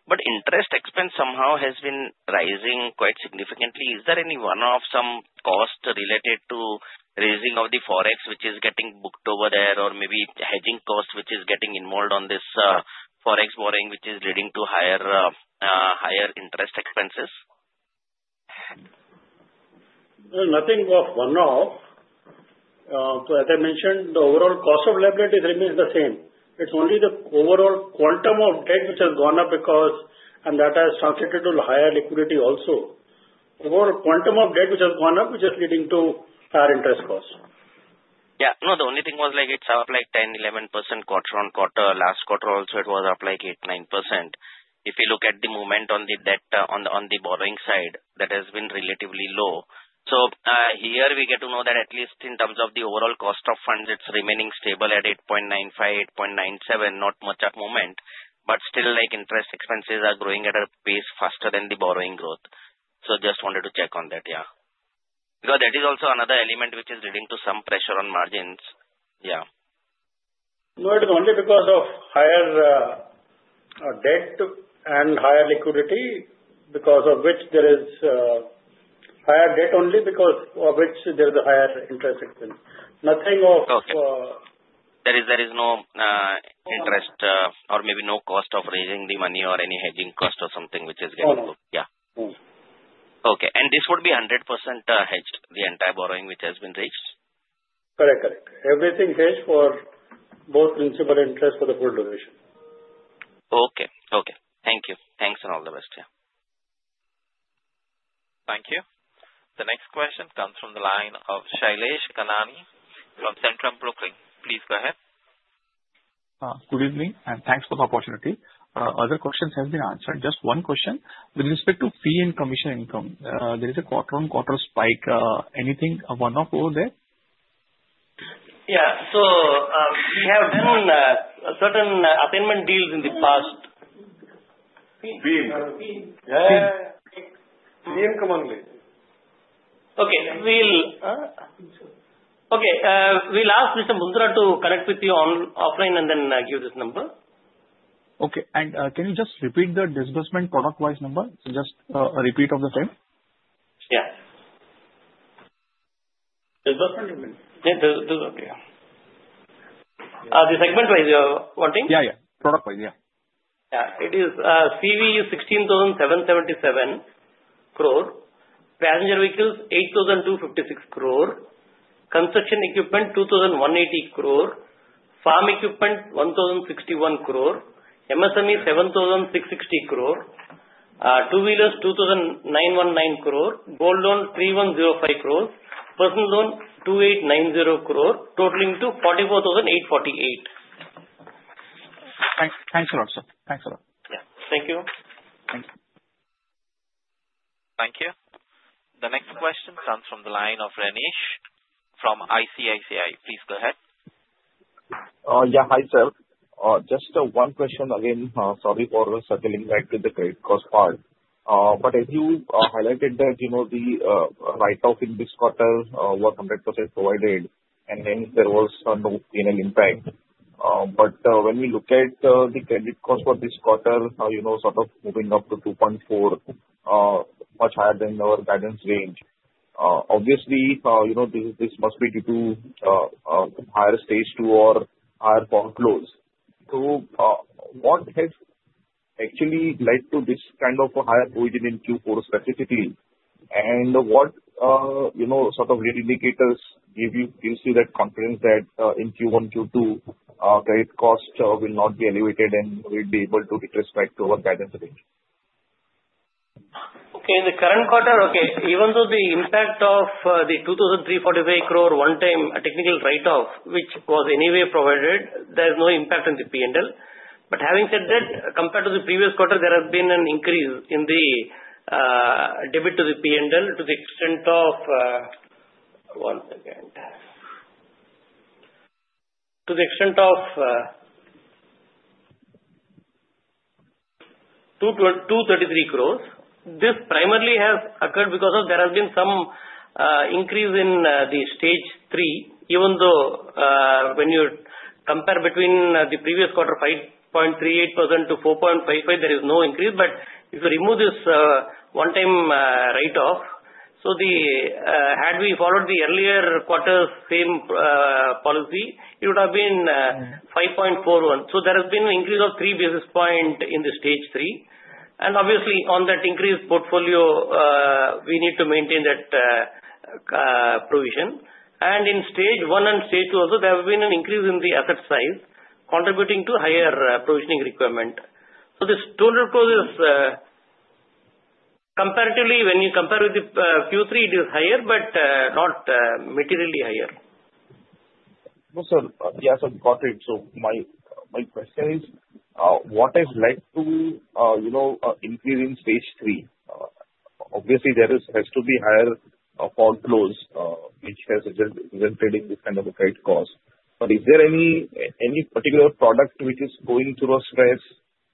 Interest expense somehow has been rising quite significantly. Is there any one-off, some cost related to raising of the Forex, which is getting booked over there, or maybe hedging cost, which is getting involved on this Forex borrowing, which is leading to higher interest expenses? Nothing of one-off. As I mentioned, the overall cost of liabilities remains the same. It's only the overall quantum of debt which has gone up because, and that has translated to higher liquidity also. Overall quantum of debt which has gone up, which is leading to higher interest cost. Yeah. No, the only thing was like it's up like 10%-11% quarter on quarter. Last quarter also, it was up like 8%-9%. If you look at the movement on the borrowing side, that has been relatively low. Here we get to know that at least in terms of the overall cost of funds, it's remaining stable at 8.95-8.97, not much at the moment. Still, interest expenses are growing at a pace faster than the borrowing growth. Just wanted to check on that, yeah. That is also another element which is leading to some pressure on margins. Yeah. No, it is only because of higher debt and higher liquidity because of which there is higher debt only because of which there is a higher interest expense. Nothing of. Okay. There is no interest or maybe no cost of raising the money or any hedging cost or something which is getting booked. Yeah. Okay. This would be 100% hedged, the entire borrowing which has been raised? Correct. Correct. Everything hedged for both principal and interest for the full duration. Okay. Okay. Thank you. Thanks and all the best. Yeah. Thank you. The next question comes from the line of Shailesh Kanani from Centrum Broking. Please go ahead. Good evening and thanks for the opportunity. Other questions have been answered. Just one question. With respect to fee and commission income, there is a quarter-on-quarter spike. Anything of one-off over there? Yeah. We have done certain attainment deals in the past. Okay. Okay. We'll ask Mr. Mundra to connect with you offline and then give this number. Okay. Can you just repeat the disbursement product-wise number? Just a repeat of the same. Yeah. Disbursement income. Yeah. Disbursement. Yeah. The segment-wise, you're wanting? Yeah. Yeah. Product-wise. Yeah. Yeah. It is CV is 16,777 crore. Passenger vehicles 8,256 crore. Construction equipment 2,180 crore. Farm equipment 1,061 crore. MSME 7,660 crore. Two-wheelers 2,919 crore. Gold loan 3,105 crore. Personal loan 2,890 crore. Totaling to 44,848 crore. Thanks a lot, sir. Thanks a lot. Yeah. Thank you. Thank you. Thank you. The next question comes from the line of Renish from ICICI. Please go ahead. Yeah. Hi, sir. Just one question again. Sorry for circling back to the credit cost part. As you highlighted that the write-off in this quarter was 100% provided, and there was no final impact. When we look at the credit cost for this quarter, sort of moving up to 2.4%, much higher than our guidance range, obviously, this must be due to higher Stage 2 or higher foreclose. What has actually led to this kind of higher provision in Q4 specifically? What sort of indicators give you that confidence that in Q1, Q2, credit cost will not be elevated and will be able to retrace back to our guidance range? Okay. In the current quarter, okay, even though the impact of the 2,345 crore one-time technical write-off, which was anyway provided, there is no impact on the P&L. Having said that, compared to the previous quarter, there has been an increase in the debit to the P&L to the extent of one second. To the extent of 233 crore. This primarily has occurred because there has been some increase in the Stage 3, even though when you compare between the previous quarter 5.38%-4.55%, there is no increase. If you remove this one-time write-off, so had we followed the earlier quarter's same policy, it would have been 5.41%. There has been an increase of three basis points in the Stage 3. Obviously, on that increased portfolio, we need to maintain that provision. In Stage 1 and Stage 2 also, there has been an increase in the asset size, contributing to higher provisioning requirement. This total provision, comparatively, when you compare with the Q3, it is higher, but not materially higher. No, sir. Yeah. Got it. My question is, what has led to an increase in Stage 3? Obviously, there has to be higher foreclose, which has resulted in this kind of a credit cost. Is there any particular product which is going through a stress?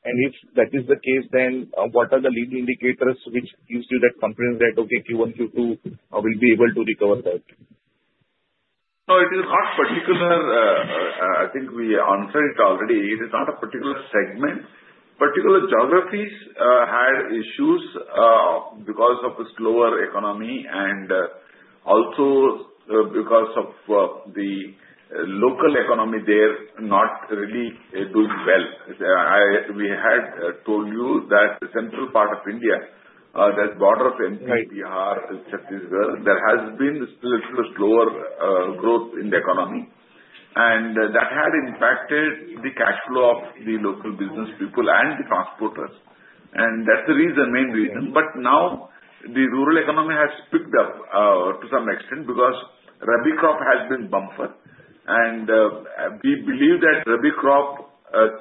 If that is the case, then what are the lead indicators which give you that confidence that, okay, Q1, Q2, we'll be able to recover that? No, it is not particular. I think we answered it already. It is not a particular segment. Particular geographies had issues because of the slower economy and also because of the local economy there not really doing well. We had told you that the central part of India, that's border of Madhya Pradesh, Bihar, Chhattisgarh, there has been a little slower growth in the economy. That had impacted the cash flow of the local business people and the transporters. That is the reason, main reason. Now, the rural economy has picked up to some extent because rabi crop has been bumped. We believe that rabi crop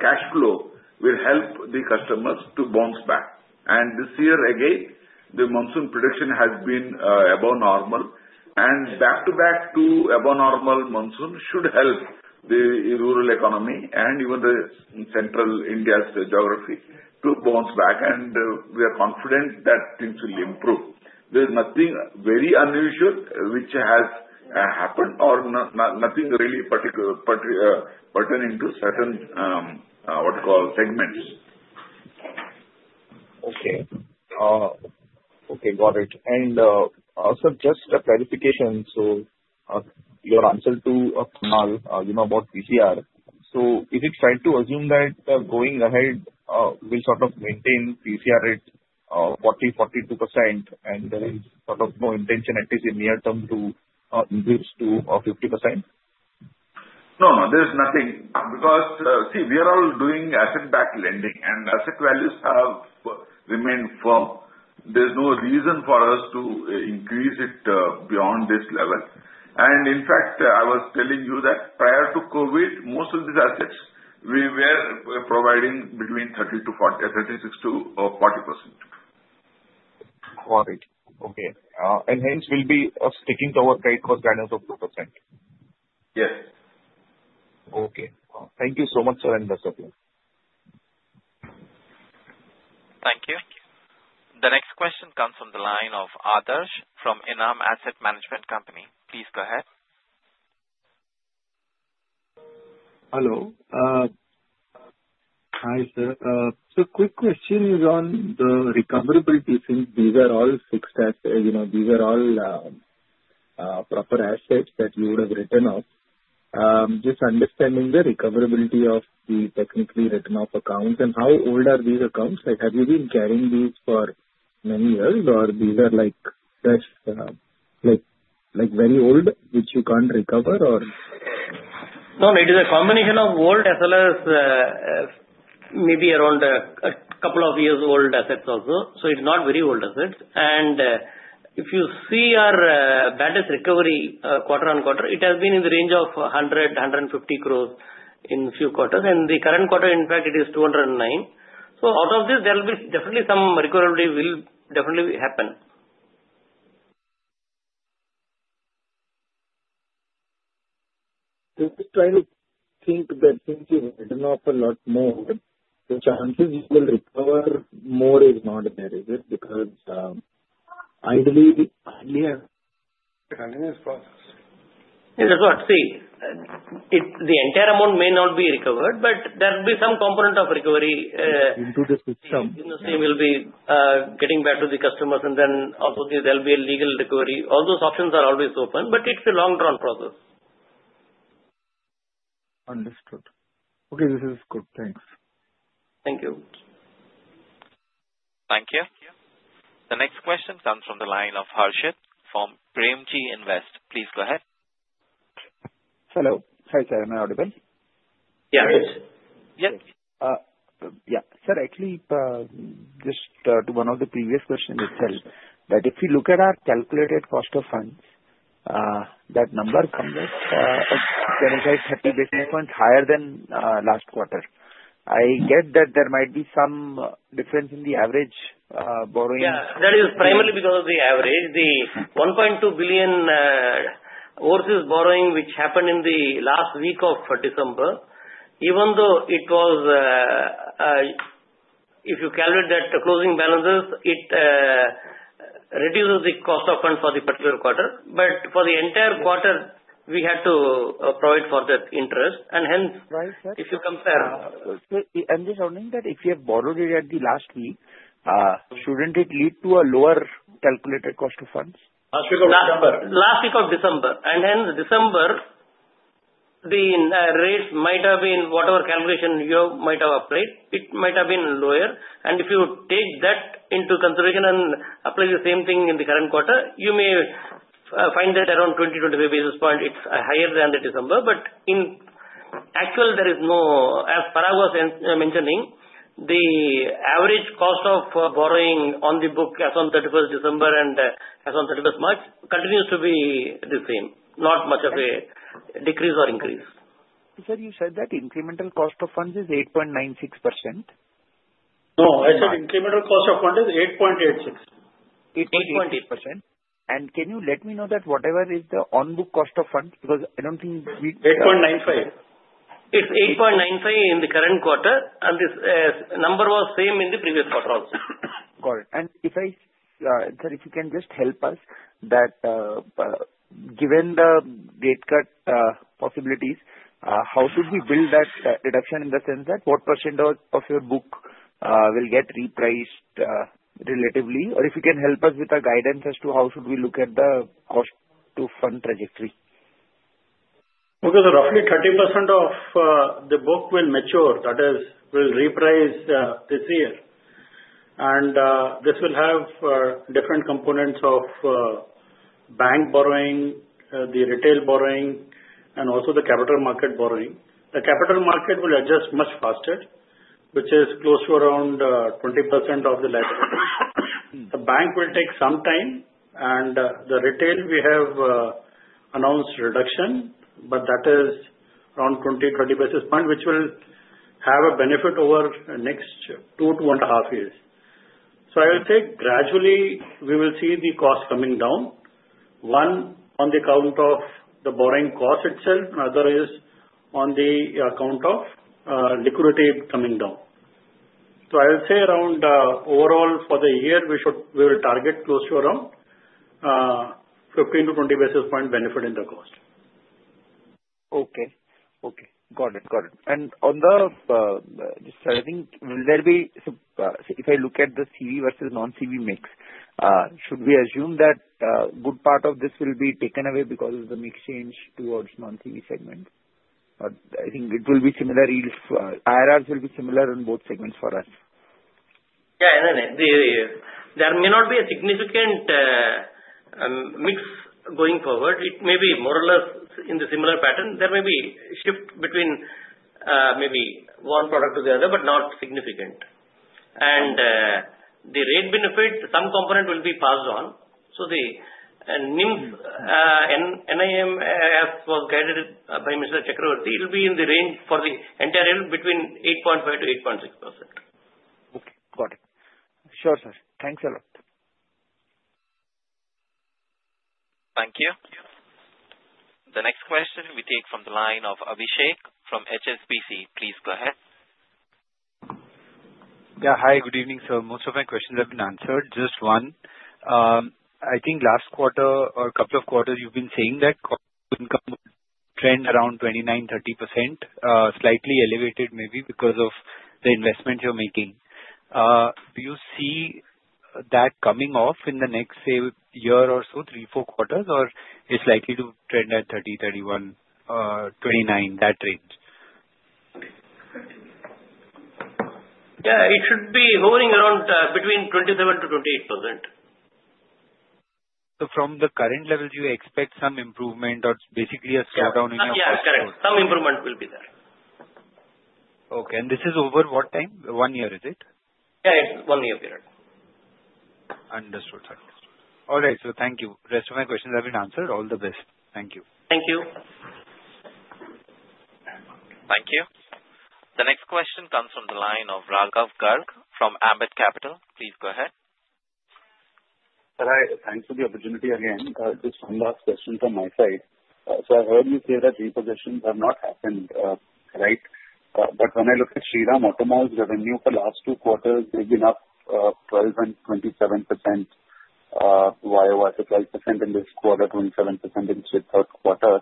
cash flow will help the customers to bounce back. This year, again, the monsoon prediction has been above normal. Back-to-back to above normal monsoon should help the rural economy and even the central India's geography to bounce back. We are confident that things will improve. There is nothing very unusual which has happened or nothing really particularly pertaining to certain, what you call, segments. Okay. Okay. Got it. Also, just a clarification. Your answer to Kunal about PCR, is it fair to assume that going ahead will sort of maintain PCR at 40%-42%, and there is sort of no intention at least in near term to increase to 50%? No, no. There is nothing. Because see, we are all doing asset-backed lending, and asset values have remained firm. There is no reason for us to increase it beyond this level. In fact, I was telling you that prior to COVID, most of these assets, we were providing between 30%-40, 36%-40%. Got it. Okay. Hence, we'll be sticking to our credit cost guidance of 2%. Yes. Okay. Thank you so much, sir, and best of luck. Thank you. The next question comes from the line of Adarsh from Enam Asset Management Company. Please go ahead. Hello. Hi, sir. Quick question is on the recoverability. Since these are all fixed assets, these are all proper assets that you would have written off, just understanding the recoverability of the technically written-off accounts. How old are these accounts? Have you been carrying these for many years, or these are very old, which you can't recover, or? No, it is a combination of old as well as maybe around a couple of years old assets also. It is not very old assets. If you see our bad debt recovery quarter on quarter, it has been in the range of 100 crore-150 crore in a few quarters. In the current quarter, in fact, it is 209 crore. Out of this, there will be definitely some recoverability will definitely happen. If you try to think that things you've written off a lot more, the chances you will recover more is not there, is it? Because ideally, ideally. Yeah. That's what I see. The entire amount may not be recovered, but there will be some component of recovery. Into the system. In the system, it will be getting back to the customers. There will be a legal recovery. All those options are always open, but it's a long-drawn process. Understood. Okay. This is good. Thanks. Thank you. Thank you. The next question comes from the line of Harshit from Premji Invest. Please go ahead. Hello. Hi, sir. Am I audible? Yes. Yes. Yeah. Sir, actually, just to one of the previous questions itself, that if you look at our calculated cost of funds, that number comes at, as I said, 30 basis points higher than last quarter. I get that there might be some difference in the average borrowing. Yeah. That is primarily because of the average. The 1.2 billion worth of borrowing, which happened in the last week of December, even though it was if you calculate that closing balances, it reduces the cost of funds for the particular quarter. For the entire quarter, we had to provide for that interest. Hence, if you compare. This owning that if you have borrowed it at the last week, shouldn't it lead to a lower calculated cost of funds? Last week of December. Last week of December. Hence, December, the rate might have been whatever calculation you might have applied, it might have been lower. If you take that into consideration and apply the same thing in the current quarter, you may find that around 20-25 basis points, it is higher than December. In actual, there is no, as Parag was mentioning, the average cost of borrowing on the book as on 31st December and as on 31st March continues to be the same. Not much of a decrease or increase. Sir, you said that incremental cost of funds is 8.96%? No. I said incremental cost of fund is 8.86%. 8.86%. Can you let me know that whatever is the on-book cost of funds? Because I do not think we. 8.95%. It's 8.95% in the current quarter. This number was same in the previous quarter also. Got it. If I, sir, if you can just help us that given the rate cut possibilities, how should we build that deduction in the sense that what % of your book will get repriced relatively? If you can help us with a guidance as to how should we look at the cost-to-fund trajectory. Because roughly 30% of the book will mature. That is, will reprice this year. This will have different components of bank borrowing, the retail borrowing, and also the capital market borrowing. The capital market will adjust much faster, which is close to around 20% of the lender. The bank will take some time. The retail, we have announced reduction, but that is around 20-30 basis points, which will have a benefit over the next two to one and a half years. I would say gradually, we will see the cost coming down. One on the account of the borrowing cost itself. Another is on the account of liquidity coming down. I would say around overall for the year, we will target close to around 15-20 basis points benefit in the cost. Okay. Okay. Got it. Got it. On the sir, I think will there be, if I look at the CV versus non-CV mix, should we assume that a good part of this will be taken away because of the mix change towards non-CV segment? I think it will be similar if IRRs will be similar on both segments for us. Yeah. There may not be a significant mix going forward. It may be more or less in the similar pattern. There may be a shift between maybe one product to the other, but not significant. The rate benefit, some component will be passed on. The NIM was guided by Mr. Chakravarti. It will be in the range for the entire year between 8.5%-8.6%. Okay. Got it. Sure, sir. Thanks a lot. Thank you. The next question we take from the line of Abhishek from HSBC. Please go ahead. Yeah. Hi. Good evening, sir. Most of my questions have been answered. Just one. I think last quarter or a couple of quarters, you've been saying that income trend around 29%-30%, slightly elevated maybe because of the investment you're making. Do you see that coming off in the next, say, year or so, three-four quarters, or it's likely to trend at 30-31, 29, that range? Yeah. It should be hovering around between 27%-28%. From the current level, do you expect some improvement or basically a slowdown in your price? Yeah. Correct. Some improvement will be there. Okay. This is over what time? One year, is it? Yeah. One year period. Understood. Understood. All right. Thank you. The rest of my questions have been answered. All the best. Thank you. Thank you. Thank you. The next question comes from the line of Raghav Garg from Ambit Capital. Please go ahead. Sir, thanks for the opportunity again. Just one last question from my side. I heard you say that repossessions have not happened, right? When I look at Shriram Automall's revenue for the last two quarters, they've been up 12% and 27%, year-over-year to 12% in this quarter, 27% in the third quarter,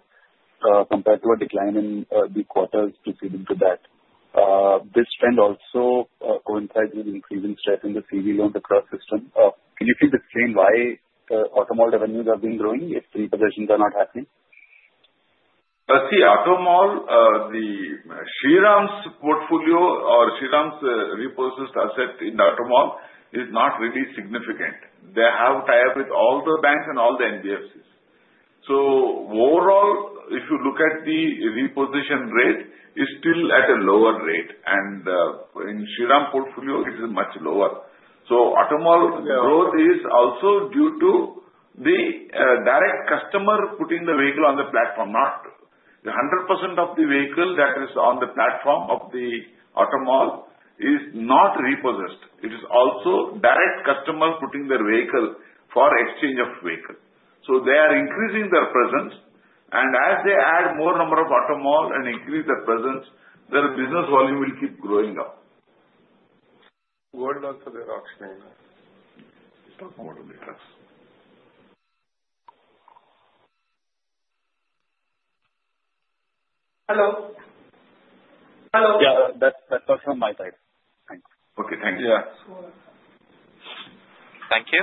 compared to a decline in the quarters preceding that. This trend also coincides with increasing stress in the CV loan across system. Can you please explain why the Automall revenues are growing if repossessions are not happening? See, Automall, the Shriram's portfolio or Shriram's repossessed asset in Automobile is not really significant. They have ties with all the banks and all the NBFCs. Overall, if you look at the repossession rate, it's still at a lower rate. In Shriram portfolio, it is much lower. Automobile growth is also due to the direct customer putting the vehicle on the platform. Not 100% of the vehicle that is on the platform of the Automobile is not repossessed. It is also direct customer putting their vehicle for exchange of vehicle. They are increasing their presence. As they add more number of Automobile and increase their presence, their business volume will keep growing up. Yeah. That's all from my side. Thanks. Thank you.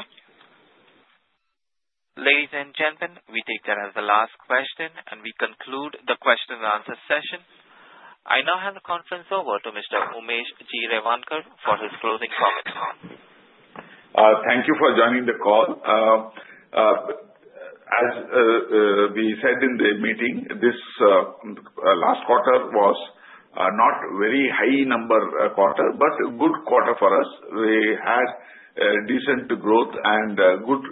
Ladies and gentlemen, we take that as the last question, and we conclude the question-and-answer session. I now hand the conference over to Mr. Umesh G. Revankar for his closing comments. Thank you for joining the call. As we said in the meeting, this last quarter was not a very high number quarter, but a good quarter for us. We had decent growth and good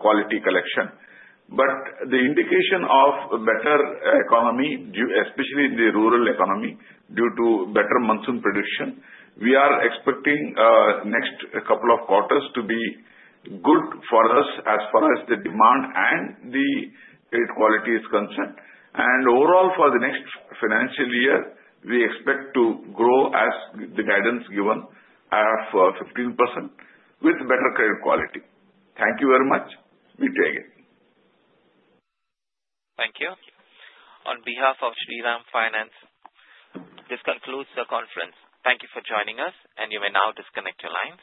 quality collection. The indication of better economy, especially in the rural economy, due to better monsoon prediction, we are expecting next couple of quarters to be good for us as far as the demand and the trade quality is concerned. Overall, for the next financial year, we expect to grow as the guidance given of 15% with better credit quality. Thank you very much. Meet you again. Thank you. On behalf of Shriram Finance, this concludes the conference. Thank you for joining us, and you may now disconnect your lines.